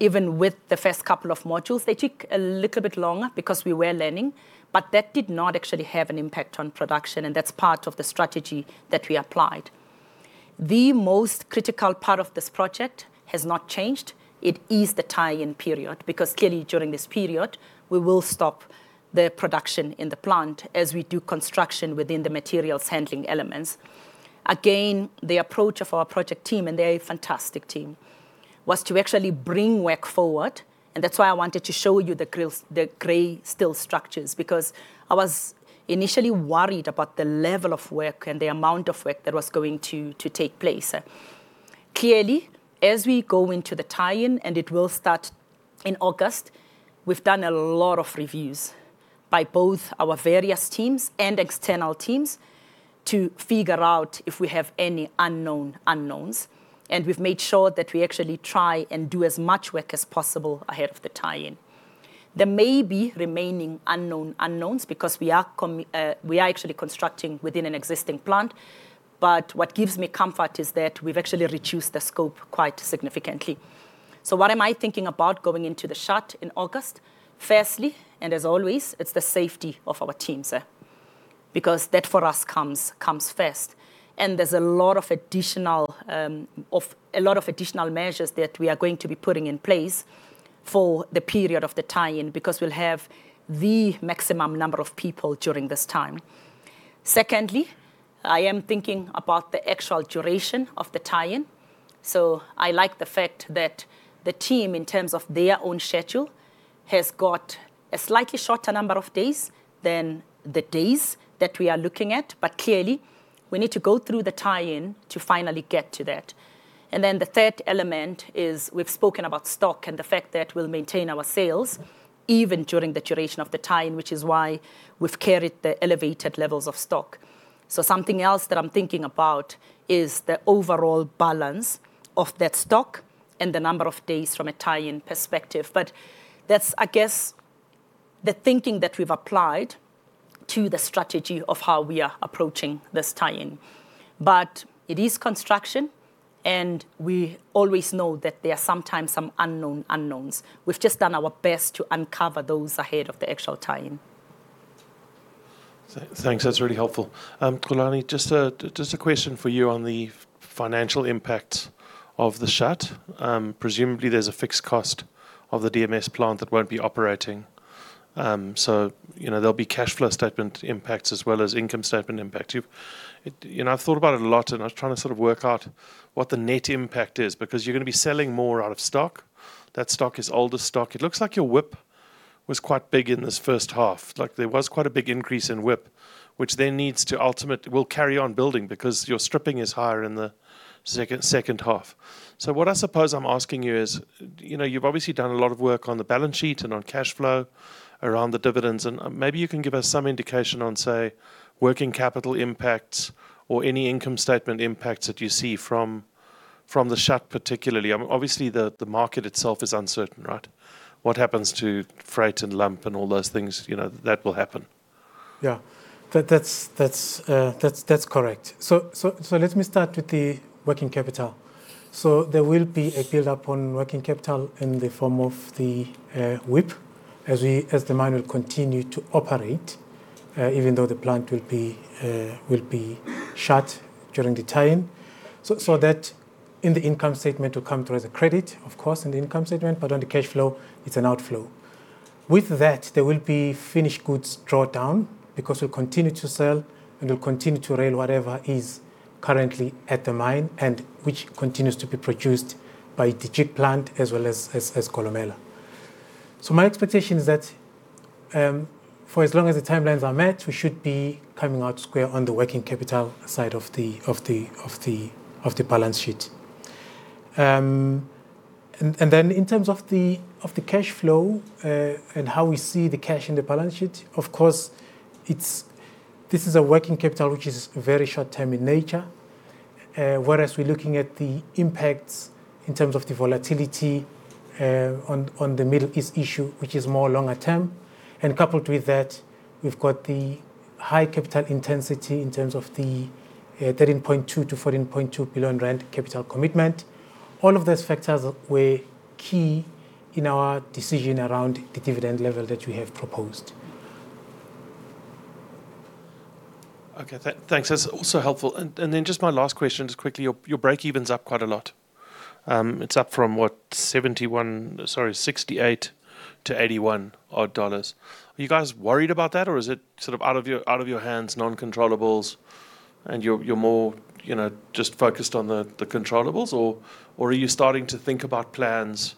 Even with the first couple of modules, they took a little bit longer because we were learning, but that did not actually have an impact on production, and that is part of the strategy that we applied. The most critical part of this project has not changed. It is the tie-in period, because clearly during this period, we will stop the production in the plant as we do construction within the materials handling elements. The approach of our project team, and they're a fantastic team, was to actually bring work forward, and that's why I wanted to show you the gray steel structures, because I was initially worried about the level of work and the amount of work that was going to take place. As we go into the tie-in, and it will start in August, we've done a lot of reviews by both our various teams and external teams to figure out if we have any unknown unknowns, and we've made sure that we actually try and do as much work as possible ahead of the tie-in. There may be remaining unknown unknowns because we are actually constructing within an existing plant, but what gives me comfort is that we've actually reduced the scope quite significantly. What am I thinking about going into the shut in August? Firstly, as always, it's the safety of our teams. Becasue, that, for us, comes first. There's a lot of additional measures that we are going to be putting in place for the period of the tie-in because we'll have the maximum number of people during this time. Secondly, I am thinking about the actual duration of the tie-in. I like the fact that the team, in terms of their own schedule, has got a slightly shorter number of days than the days that we are looking at, but clearly, we need to go through the tie-in to finally get to that. The third element is we've spoken about stock and the fact that we'll maintain our sales even during the duration of the tie-in, which is why we've carried the elevated levels of stock. Something else that I'm thinking about is the overall balance of that stock and the number of days from a tie-in perspective. That's, I guess, the thinking that we've applied to the strategy of how we are approaching this tie-in. It is construction, and we always know that there are sometimes some unknown unknowns. We've just done our best to uncover those ahead of the actual tie-in. Thanks. That's really helpful. Xolani, just a question for you on the financial impact of the shut. Presumably, there's a fixed cost of the DMS plant that won't be operating. There'll be cash flow statement impacts as well as income statement impacts. I've thought about it a lot, and I was trying to work out what the net impact is, because you're going to be selling more out of stock. That stock is older stock. It looks like your WIP was quite big in this first half. There was quite a big increase in WIP, which then will carry on building because your stripping is higher in the second half. What I suppose I'm asking you is, you've obviously done a lot of work on the balance sheet and on cash flow around the dividends, and maybe you can give us some indication on, say, working capital impacts or any income statement impacts that you see from the shut, particularly. Obviously, the market itself is uncertain, right? What happens to freight and lump and all those things, that will happen. Yeah. That's correct. Let me start with the working capital. There will be a build-up on working capital in the form of the WIP as the mine will continue to operate, even though the plant will be shut during the tie-in. That in the income statement will come through as a credit, of course, in the income statement, but on the cash flow, it's an outflow. With that, there will be finished goods drawdown because we'll continue to sell and we'll continue to rail whatever is currently at the mine and which continues to be produced by the Jig plant as well as Kolomela. My expectation is that for as long as the timelines are met, we should be coming out square on the working capital side of the balance sheet. In terms of the cash flow and how we see the cash in the balance sheet, of course, this is a working capital which is very short term in nature. Whereas we're looking at the impacts in terms of the volatility on the Middle East issue, which is more longer term. Coupled with that, we've got the high capital intensity in terms of the 13.2 billion-14.2 billion rand capital commitment. All of those factors were key in our decision around the dividend level that we have proposed. Okay, thanks. That's also helpful. Just my last question, just quickly, your breakeven's up quite a lot. It's up from what, $68-$81 odd. Are you guys worried about that or is it sort of out of your hands, non-controllables and you're more just focused on the controllables? Are you starting to think about plans,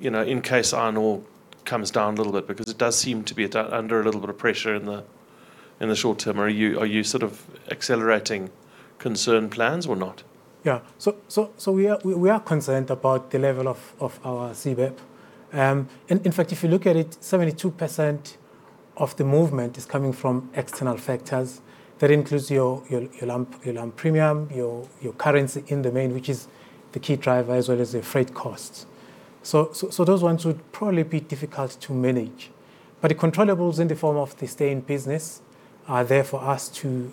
in case iron ore comes down a little bit? Because it does seem to be under a little bit of pressure in the short term. Are you sort of accelerating concern plans or not? We are concerned about the level of our C1. In fact, if you look at it, 72% of the movement is coming from external factors. That includes your lump premium, your currency in the main, which is the key driver, as well as the freight costs. Those ones would probably be difficult to manage. The controllables in the form of the stay-in-business are there for us to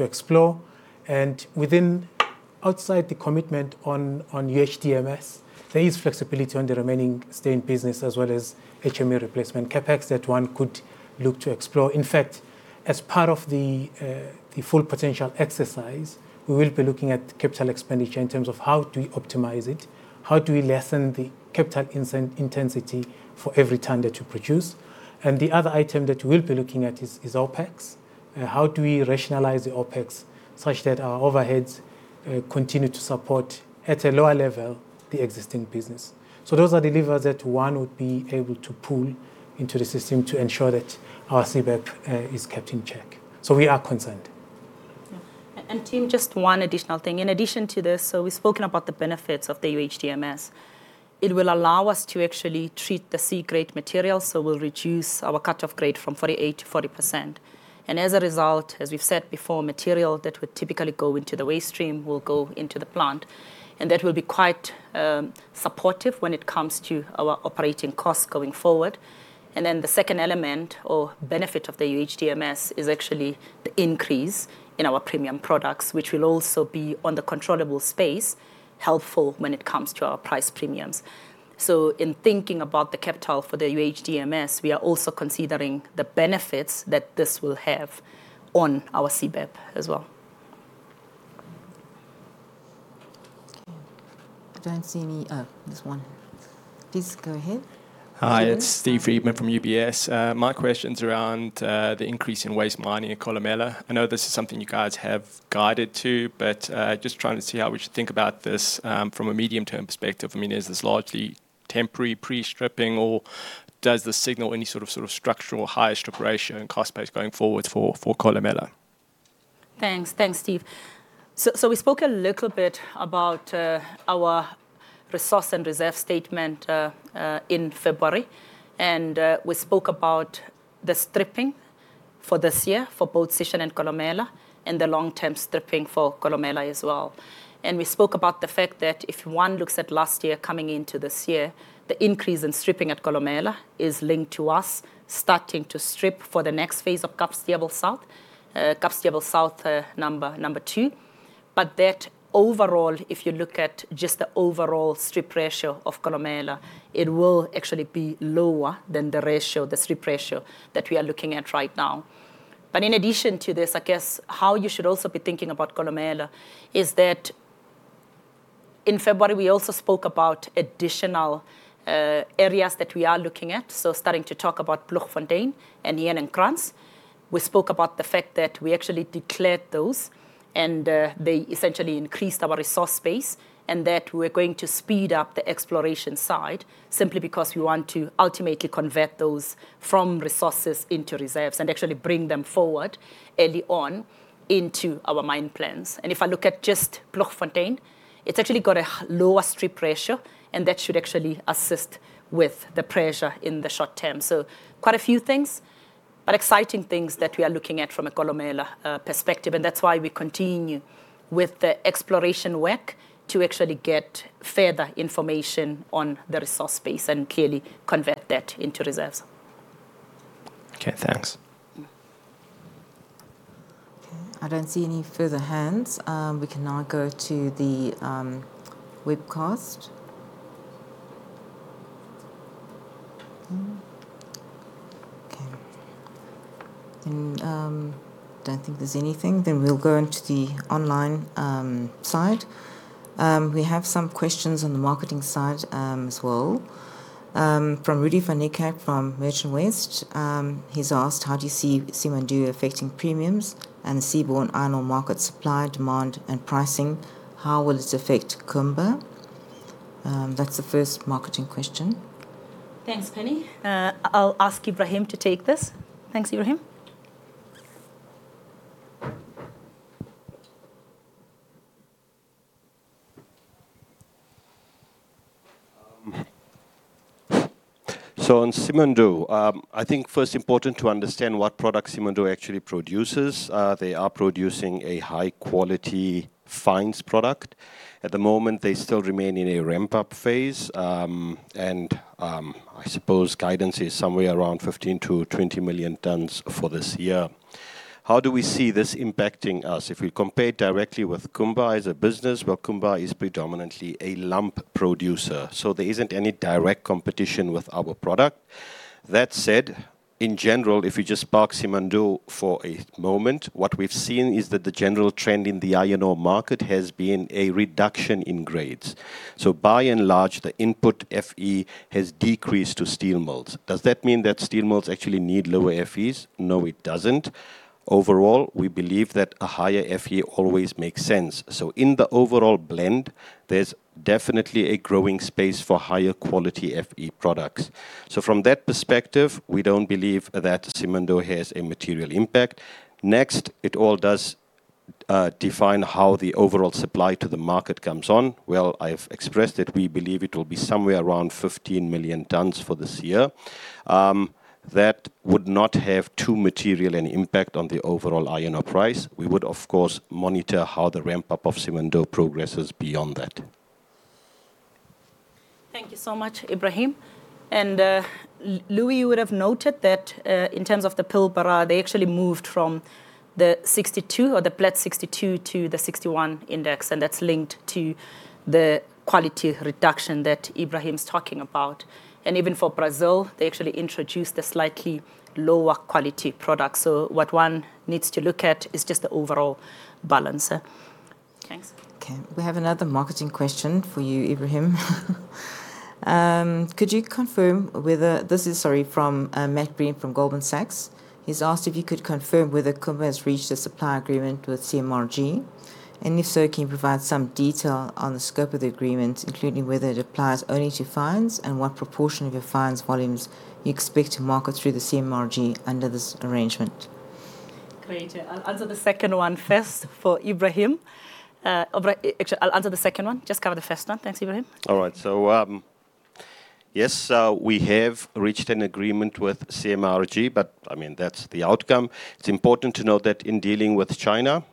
explore and within, outside the commitment on UHDMS, there is flexibility on the remaining stay-in-business as well as HME replacement CapEx that one could look to explore. As part of the Full Potential exercise, we will be looking at capital expenditure in terms of how do we optimize it, how do we lessen the capital intensity for every ton that you produce. The other item that we'll be looking at is OpEx. How do we rationalize the OpEx such that our overheads continue to support at a lower level, the existing business? Those are levers that one would be able to pull into the system to ensure that our C1 is kept in check. We are concerned. Yeah. Tim, just one additional thing. In addition to this, we've spoken about the benefits of the UHDMS. It will allow us to actually treat the C-grade material, we'll reduce our cut-off grade from 48% to 40%. As a result, as we've said before, material that would typically go into the waste stream will go into the plant, and that will be quite supportive when it comes to our operating costs going forward. The second element or benefit of the UHDMS is actually the increase in our premium products, which will also be on the controllable space, helpful when it comes to our price premiums. In thinking about the capital for the UHDMS, we are also considering the benefits that this will have on our C1 as well. Okay. I don't see any Oh, there's one. Please go ahead. Hi, it's Steve Friedman from UBS. My question's around the increase in waste mining at Kolomela. I know this is something you guys have guided to, but just trying to see how we should think about this from a medium term perspective. I mean, is this largely temporary pre-stripping or does this signal any sort of structural higher strip ratio and cost base going forward for Kolomela? Thanks, Steve. We spoke a little bit about our resource and reserve statement in February, and we spoke about the stripping for this year for both Sishen and Kolomela and the long-term stripping for Kolomela as well. We spoke about the fact that if one looks at last year coming into this year, the increase in stripping at Kolomela is linked to us starting to strip for the next phase of Kapstevel South, Kapstevel South number two. That overall, if you look at just the overall strip ratio of Kolomela, it will actually be lower than the strip ratio that we are looking at right now. In addition to this, I guess how you should also be thinking about Kolomela is that in February, we also spoke about additional areas that we are looking at, so starting to talk about Bloemfontein and Heuningkranz. We spoke about the fact that we actually declared those and they essentially increased our resource base, and that we're going to speed up the exploration side simply because we want to ultimately convert those from resources into reserves and actually bring them forward early on into our mine plans. If I look at just Bloemfontein, it's actually got a lower strip ratio, and that should actually assist with the pressure in the short term. Quite a few things, but exciting things that we are looking at from a Kolomela perspective, and that's why we continue with the exploration work to actually get further information on the resource base and clearly convert that into reserves. Okay, thanks. Okay. I don't see any further hands. We can now go to the webcast. Okay. Don't think there's anything. We'll go into the online side. We have some questions on the marketing side as well. From Rudi van Niekerk from Merchant West. He's asked, how do you see Simandou affecting premiums and seaborne iron ore market supply, demand and pricing? How will it affect Kumba? That's the first marketing question. Thanks, Penny. I'll ask Ibrahim to take this. Thanks, Ibrahim. On Simandou, I think first important to understand what product Simandou actually produces. They are producing a high-quality fines product. At the moment, they still remain in a ramp-up phase. I suppose guidance is somewhere around 15 million-20 million tons for this year. How do we see this impacting us? If we compare directly with Kumba as a business, well, Kumba is predominantly a lump producer, so there isn't any direct competition with our product. That said, in general, if we just park Simandou for a moment, what we've seen is that the general trend in the iron ore market has been a reduction in grades. By and large, the input Fe has decreased to steel mills. Does that mean that steel mills actually need lower Fe's? No, it doesn't. Overall, we believe that a higher Fe always makes sense. In the overall blend, there's definitely a growing space for higher quality Fe products. From that perspective, we don't believe that Simandou has a material impact. Next, it all does define how the overall supply to the market comes on. Well, I've expressed it. We believe it will be somewhere around 15 million tons for this year. That would not have too material an impact on the overall iron ore price. We would, of course, monitor how the ramp-up of Simandou progresses beyond that. Thank you so much, Ibrahim. Louis, you would have noted that, in terms of the Pilbara, they actually moved from the 62 or the flat 62 to the 61 index, and that's linked to the quality reduction that Ibrahim's talking about. Even for Brazil, they actually introduced a slightly lower quality product. What one needs to look at is just the overall balance. Thanks. Okay, we have another marketing question for you, Ibrahim. Could you confirm, this is from Matt Greene from Goldman Sachs. He's asked if you could confirm whether Kumba has reached a supply agreement with CMRG. If so, can you provide some detail on the scope of the agreement, including whether it applies only to fines, and what proportion of your fines volumes you expect to market through the CMRG under this arrangement? Great. I'll answer the second one first for Ibrahim. Actually, I'll answer the second one. Just cover the first one. Thanks, Ibrahim. All right. Yes, we have reached an agreement with CMRG, but that's the outcome. It's important to note that in dealing with China,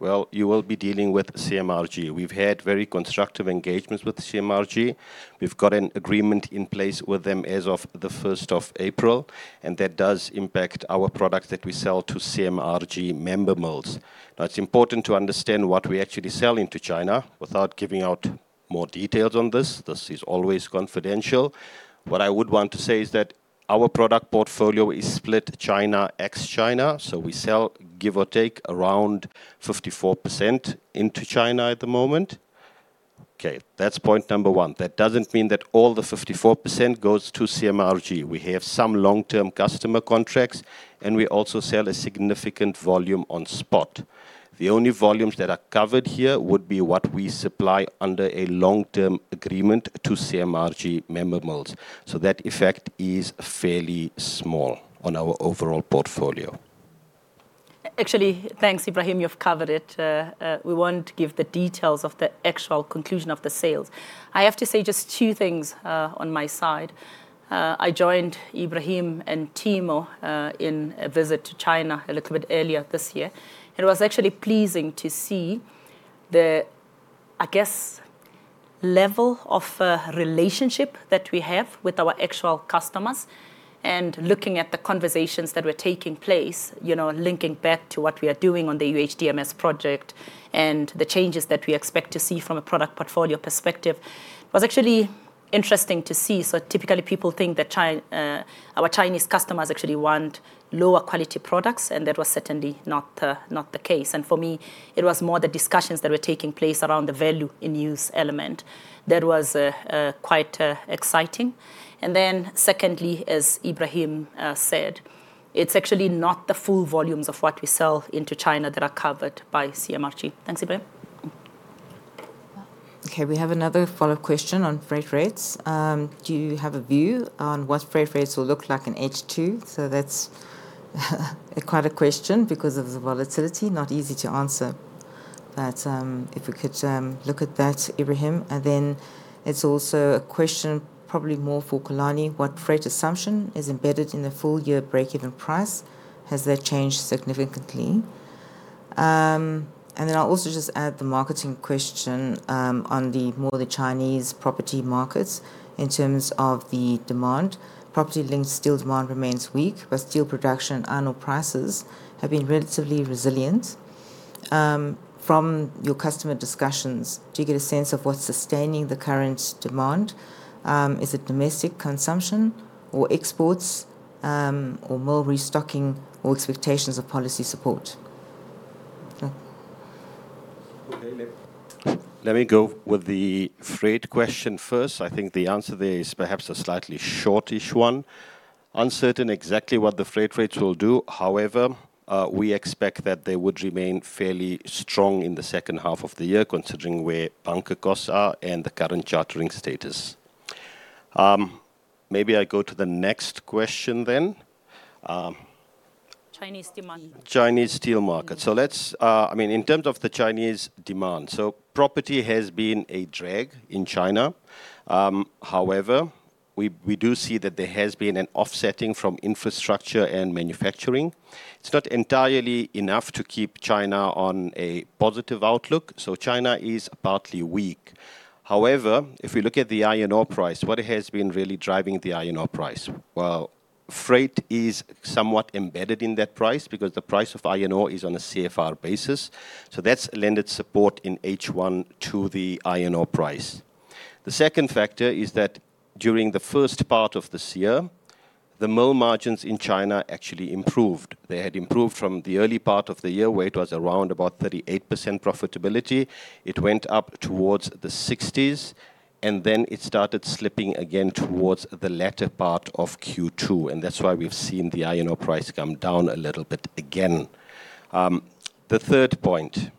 well, you will be dealing with CMRG. We've had very constructive engagements with CMRG. We've got an agreement in place with them as of the 1st of April, and that does impact our products that we sell to CMRG member mills. It's important to understand what we actually sell into China without giving out more details on this. This is always confidential. What I would want to say is that our product portfolio is split China, ex-China. We sell, give or take, around 54% into China at the moment. Okay. That's point number one. That doesn't mean that all the 54% goes to CMRG. We have some long-term customer contracts, and we also sell a significant volume on spot. The only volumes that are covered here would be what we supply under a long-term agreement to CMRG member mills. That effect is fairly small on our overall portfolio. Actually, thanks, Ibrahim. You've covered it. We won't give the details of the actual conclusion of the sales. I have to say just two things on my side. I joined Ibrahim and Timo in a visit to China a little bit earlier this year. It was actually pleasing to see the, I guess, level of relationship that we have with our actual customers. Looking at the conversations that were taking place, linking back to what we are doing on the UHDMS project and the changes that we expect to see from a product portfolio perspective, was actually interesting to see. Typically people think that our Chinese customers actually want lower quality products, and that was certainly not the case. For me, it was more the discussions that were taking place around the value-in-use element that was quite exciting. Secondly, as Ibrahim said, it's actually not the full volumes of what we sell into China that are covered by CMRG. Thanks, Ibrahim. Okay, we have another follow-up question on freight rates. Do you have a view on what freight rates will look like in H2? That's quite a question because of the volatility. Not easy to answer. If we could look at that, Ibrahim. It's also a question probably more for Xolani. What freight assumption is embedded in the full year breakeven price? Has that changed significantly? I'll also just add the marketing question on more the Chinese property markets in terms of the demand. Property linked steel demand remains weak, but steel production and iron ore prices have been relatively resilient. From your customer discussions, do you get a sense of what's sustaining the current demand? Is it domestic consumption or exports, or more restocking or expectations of policy support? Okay. Let me go with the freight question first. I think the answer there is perhaps a slightly shortish one. Uncertain exactly what the freight rates will do. We expect that they would remain fairly strong in the second half of the year, considering where bunker costs are and the current chartering status. Maybe I go to the next question. Chinese demand. Chinese steel market. In terms of the Chinese demand. Property has been a drag in China. We do see that there has been an offsetting from infrastructure and manufacturing. It's not entirely enough to keep China on a positive outlook, China is partly weak. If we look at the iron ore price, what has been really driving the iron ore price? Well, freight is somewhat embedded in that price because the price of iron ore is on a CFR basis. That's lended support in H1 to the iron ore price. The second factor is that during the first part of this year, the mill margins in China actually improved. They had improved from the early part of the year, where it was around about 38% profitability. It went up towards the 60s, it started slipping again towards the latter part of Q2, that's why we've seen the iron ore price come down a little bit again. The third point,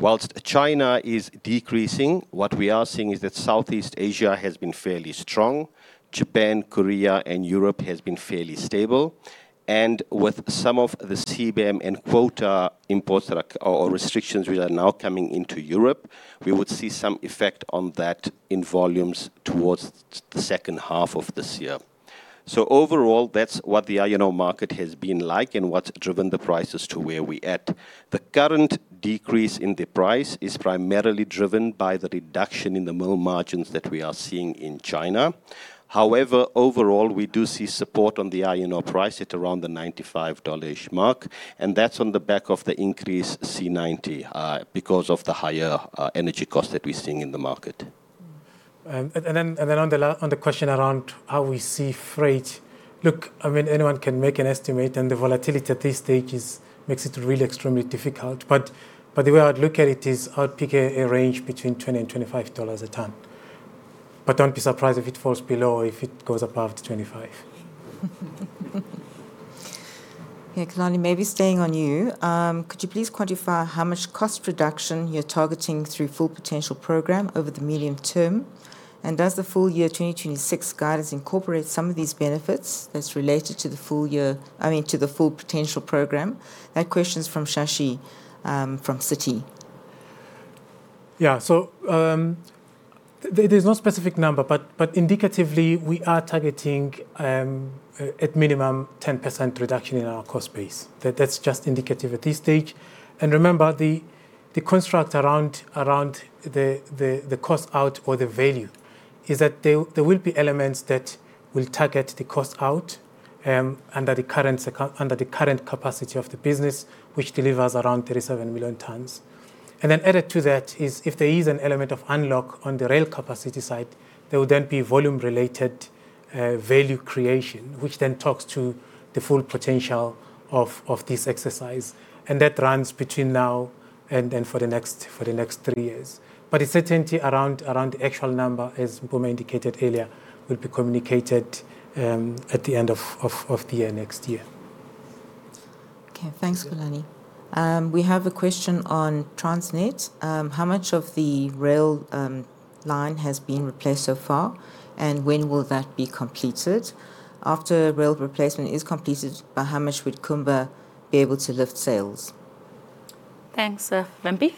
whilst China is decreasing, what we are seeing is that Southeast Asia has been fairly strong. Japan, Korea, and Europe has been fairly stable. With some of the CBAM and quota imports or restrictions which are now coming into Europe, we would see some effect on that in volumes towards the second half of this year. Overall, that's what the iron ore market has been like and what's driven the prices to where we at. The current decrease in the price is primarily driven by the reduction in the mill margins that we are seeing in China. Overall, we do see support on the iron ore price at around the $95-ish mark, and that's on the back of the increased C90, because of the higher energy cost that we're seeing in the market. On the question around how we see freight. Look, anyone can make an estimate, and the volatility at this stage makes it really extremely difficult. The way I'd look at it is, I'd pick a range between $20 and $25 a ton. Don't be surprised if it goes above $25. Xolani, maybe staying on you. Could you please quantify how much cost reduction you're targeting through Full Potential programme over the medium term? Does the full year 2026 guidance incorporate some of these benefits that's related to the Full Potential programme? That question's from Shashi, from Citi. There's no specific number, but indicatively, we are targeting at minimum 10% reduction in our cost base. That's just indicative at this stage. Remember, the construct around the cost out or the value is that there will be elements that will target the cost out under the current capacity of the business, which delivers around 37 million tons. Added to that is if there is an element of unlock on the rail capacity side, there will then be volume-related value creation, which then talks to the Full Potential of this exercise. That runs between now and then for the next three years. The certainty around the actual number, as Mpumi indicated earlier, will be communicated at the end of the year next year. Okay. Thanks, Xolani. We have a question on Transnet. How much of the rail line has been replaced so far, and when will that be completed? After rail replacement is completed, by how much would Kumba be able to lift sales? Thanks. Mbombi?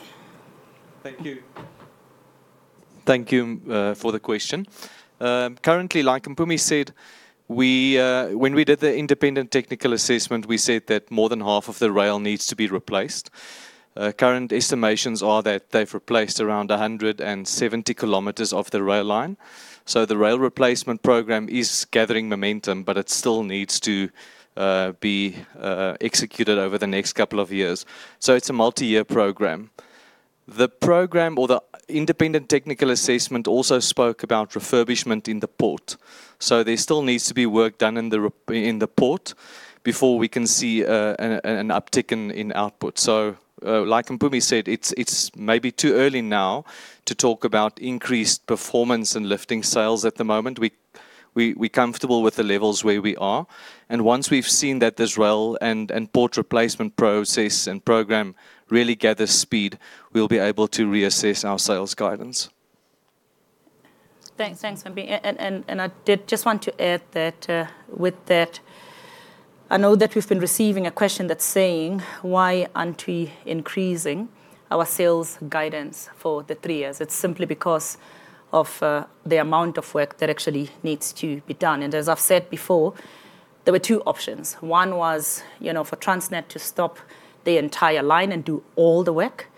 Thank you for the question. Currently, like Mpumi said, when we did the independent technical assessment, we said that more than half of the rail needs to be replaced. Current estimations are that they have replaced around 170 km of the rail line. The rail replacement program is gathering momentum, but it still needs to be executed over the next couple of years. It is a multiyear program. The program or the independent technical assessment also spoke about refurbishment in the port. There still needs to be work done in the port before we can see an uptick in output. Like Mpumi said, it is maybe too early now to talk about increased performance and lifting sales at the moment. We are comfortable with the levels where we are. Once we have seen that this rail and port replacement process and program really gathers speed, we will be able to reassess our sales guidance. I did just want to add that with that, I know that we've been receiving a question that's saying why aren't we increasing our sales guidance for the three years. It's simply because of the amount of work that actually needs to be done. As I've said before, there were two options. One was for Transnet to stop the entire line and do all the work.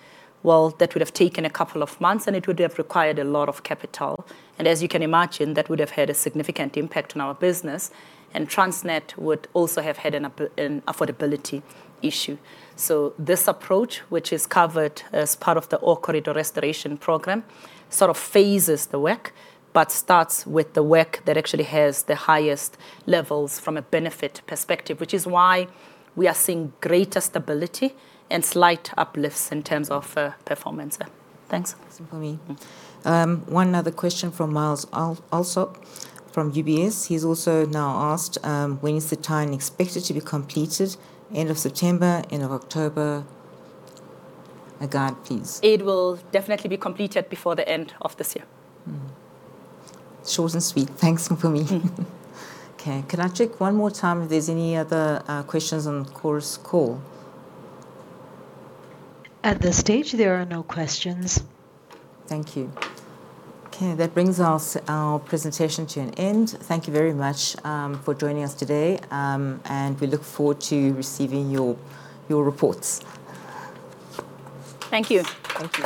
That would have taken a couple of months, and it would have required a lot of capital. As you can imagine, that would have had a significant impact on our business, and Transnet would also have had an affordability issue. This approach, which is covered as part of the Ore Corridor Restoration programme, sort of phases the work but starts with the work that actually has the highest levels from a benefit perspective, which is why we are seeing greater stability and slight uplifts in terms of performance there. Thanks. Thanks, Mpumi. One other question from Myles Allsop from UBS. He's also now asked, when is the line expected to be completed? End of September, end of October? A guide, please. It will definitely be completed before the end of this year. Mm-hmm. Short and sweet. Thanks, Mpumi. Okay. Can I check one more time if there's any other questions on the call? At this stage, there are no questions. Thank you. Okay, that brings our presentation to an end. Thank you very much for joining us today, and we look forward to receiving your reports. Thank you. Thank you.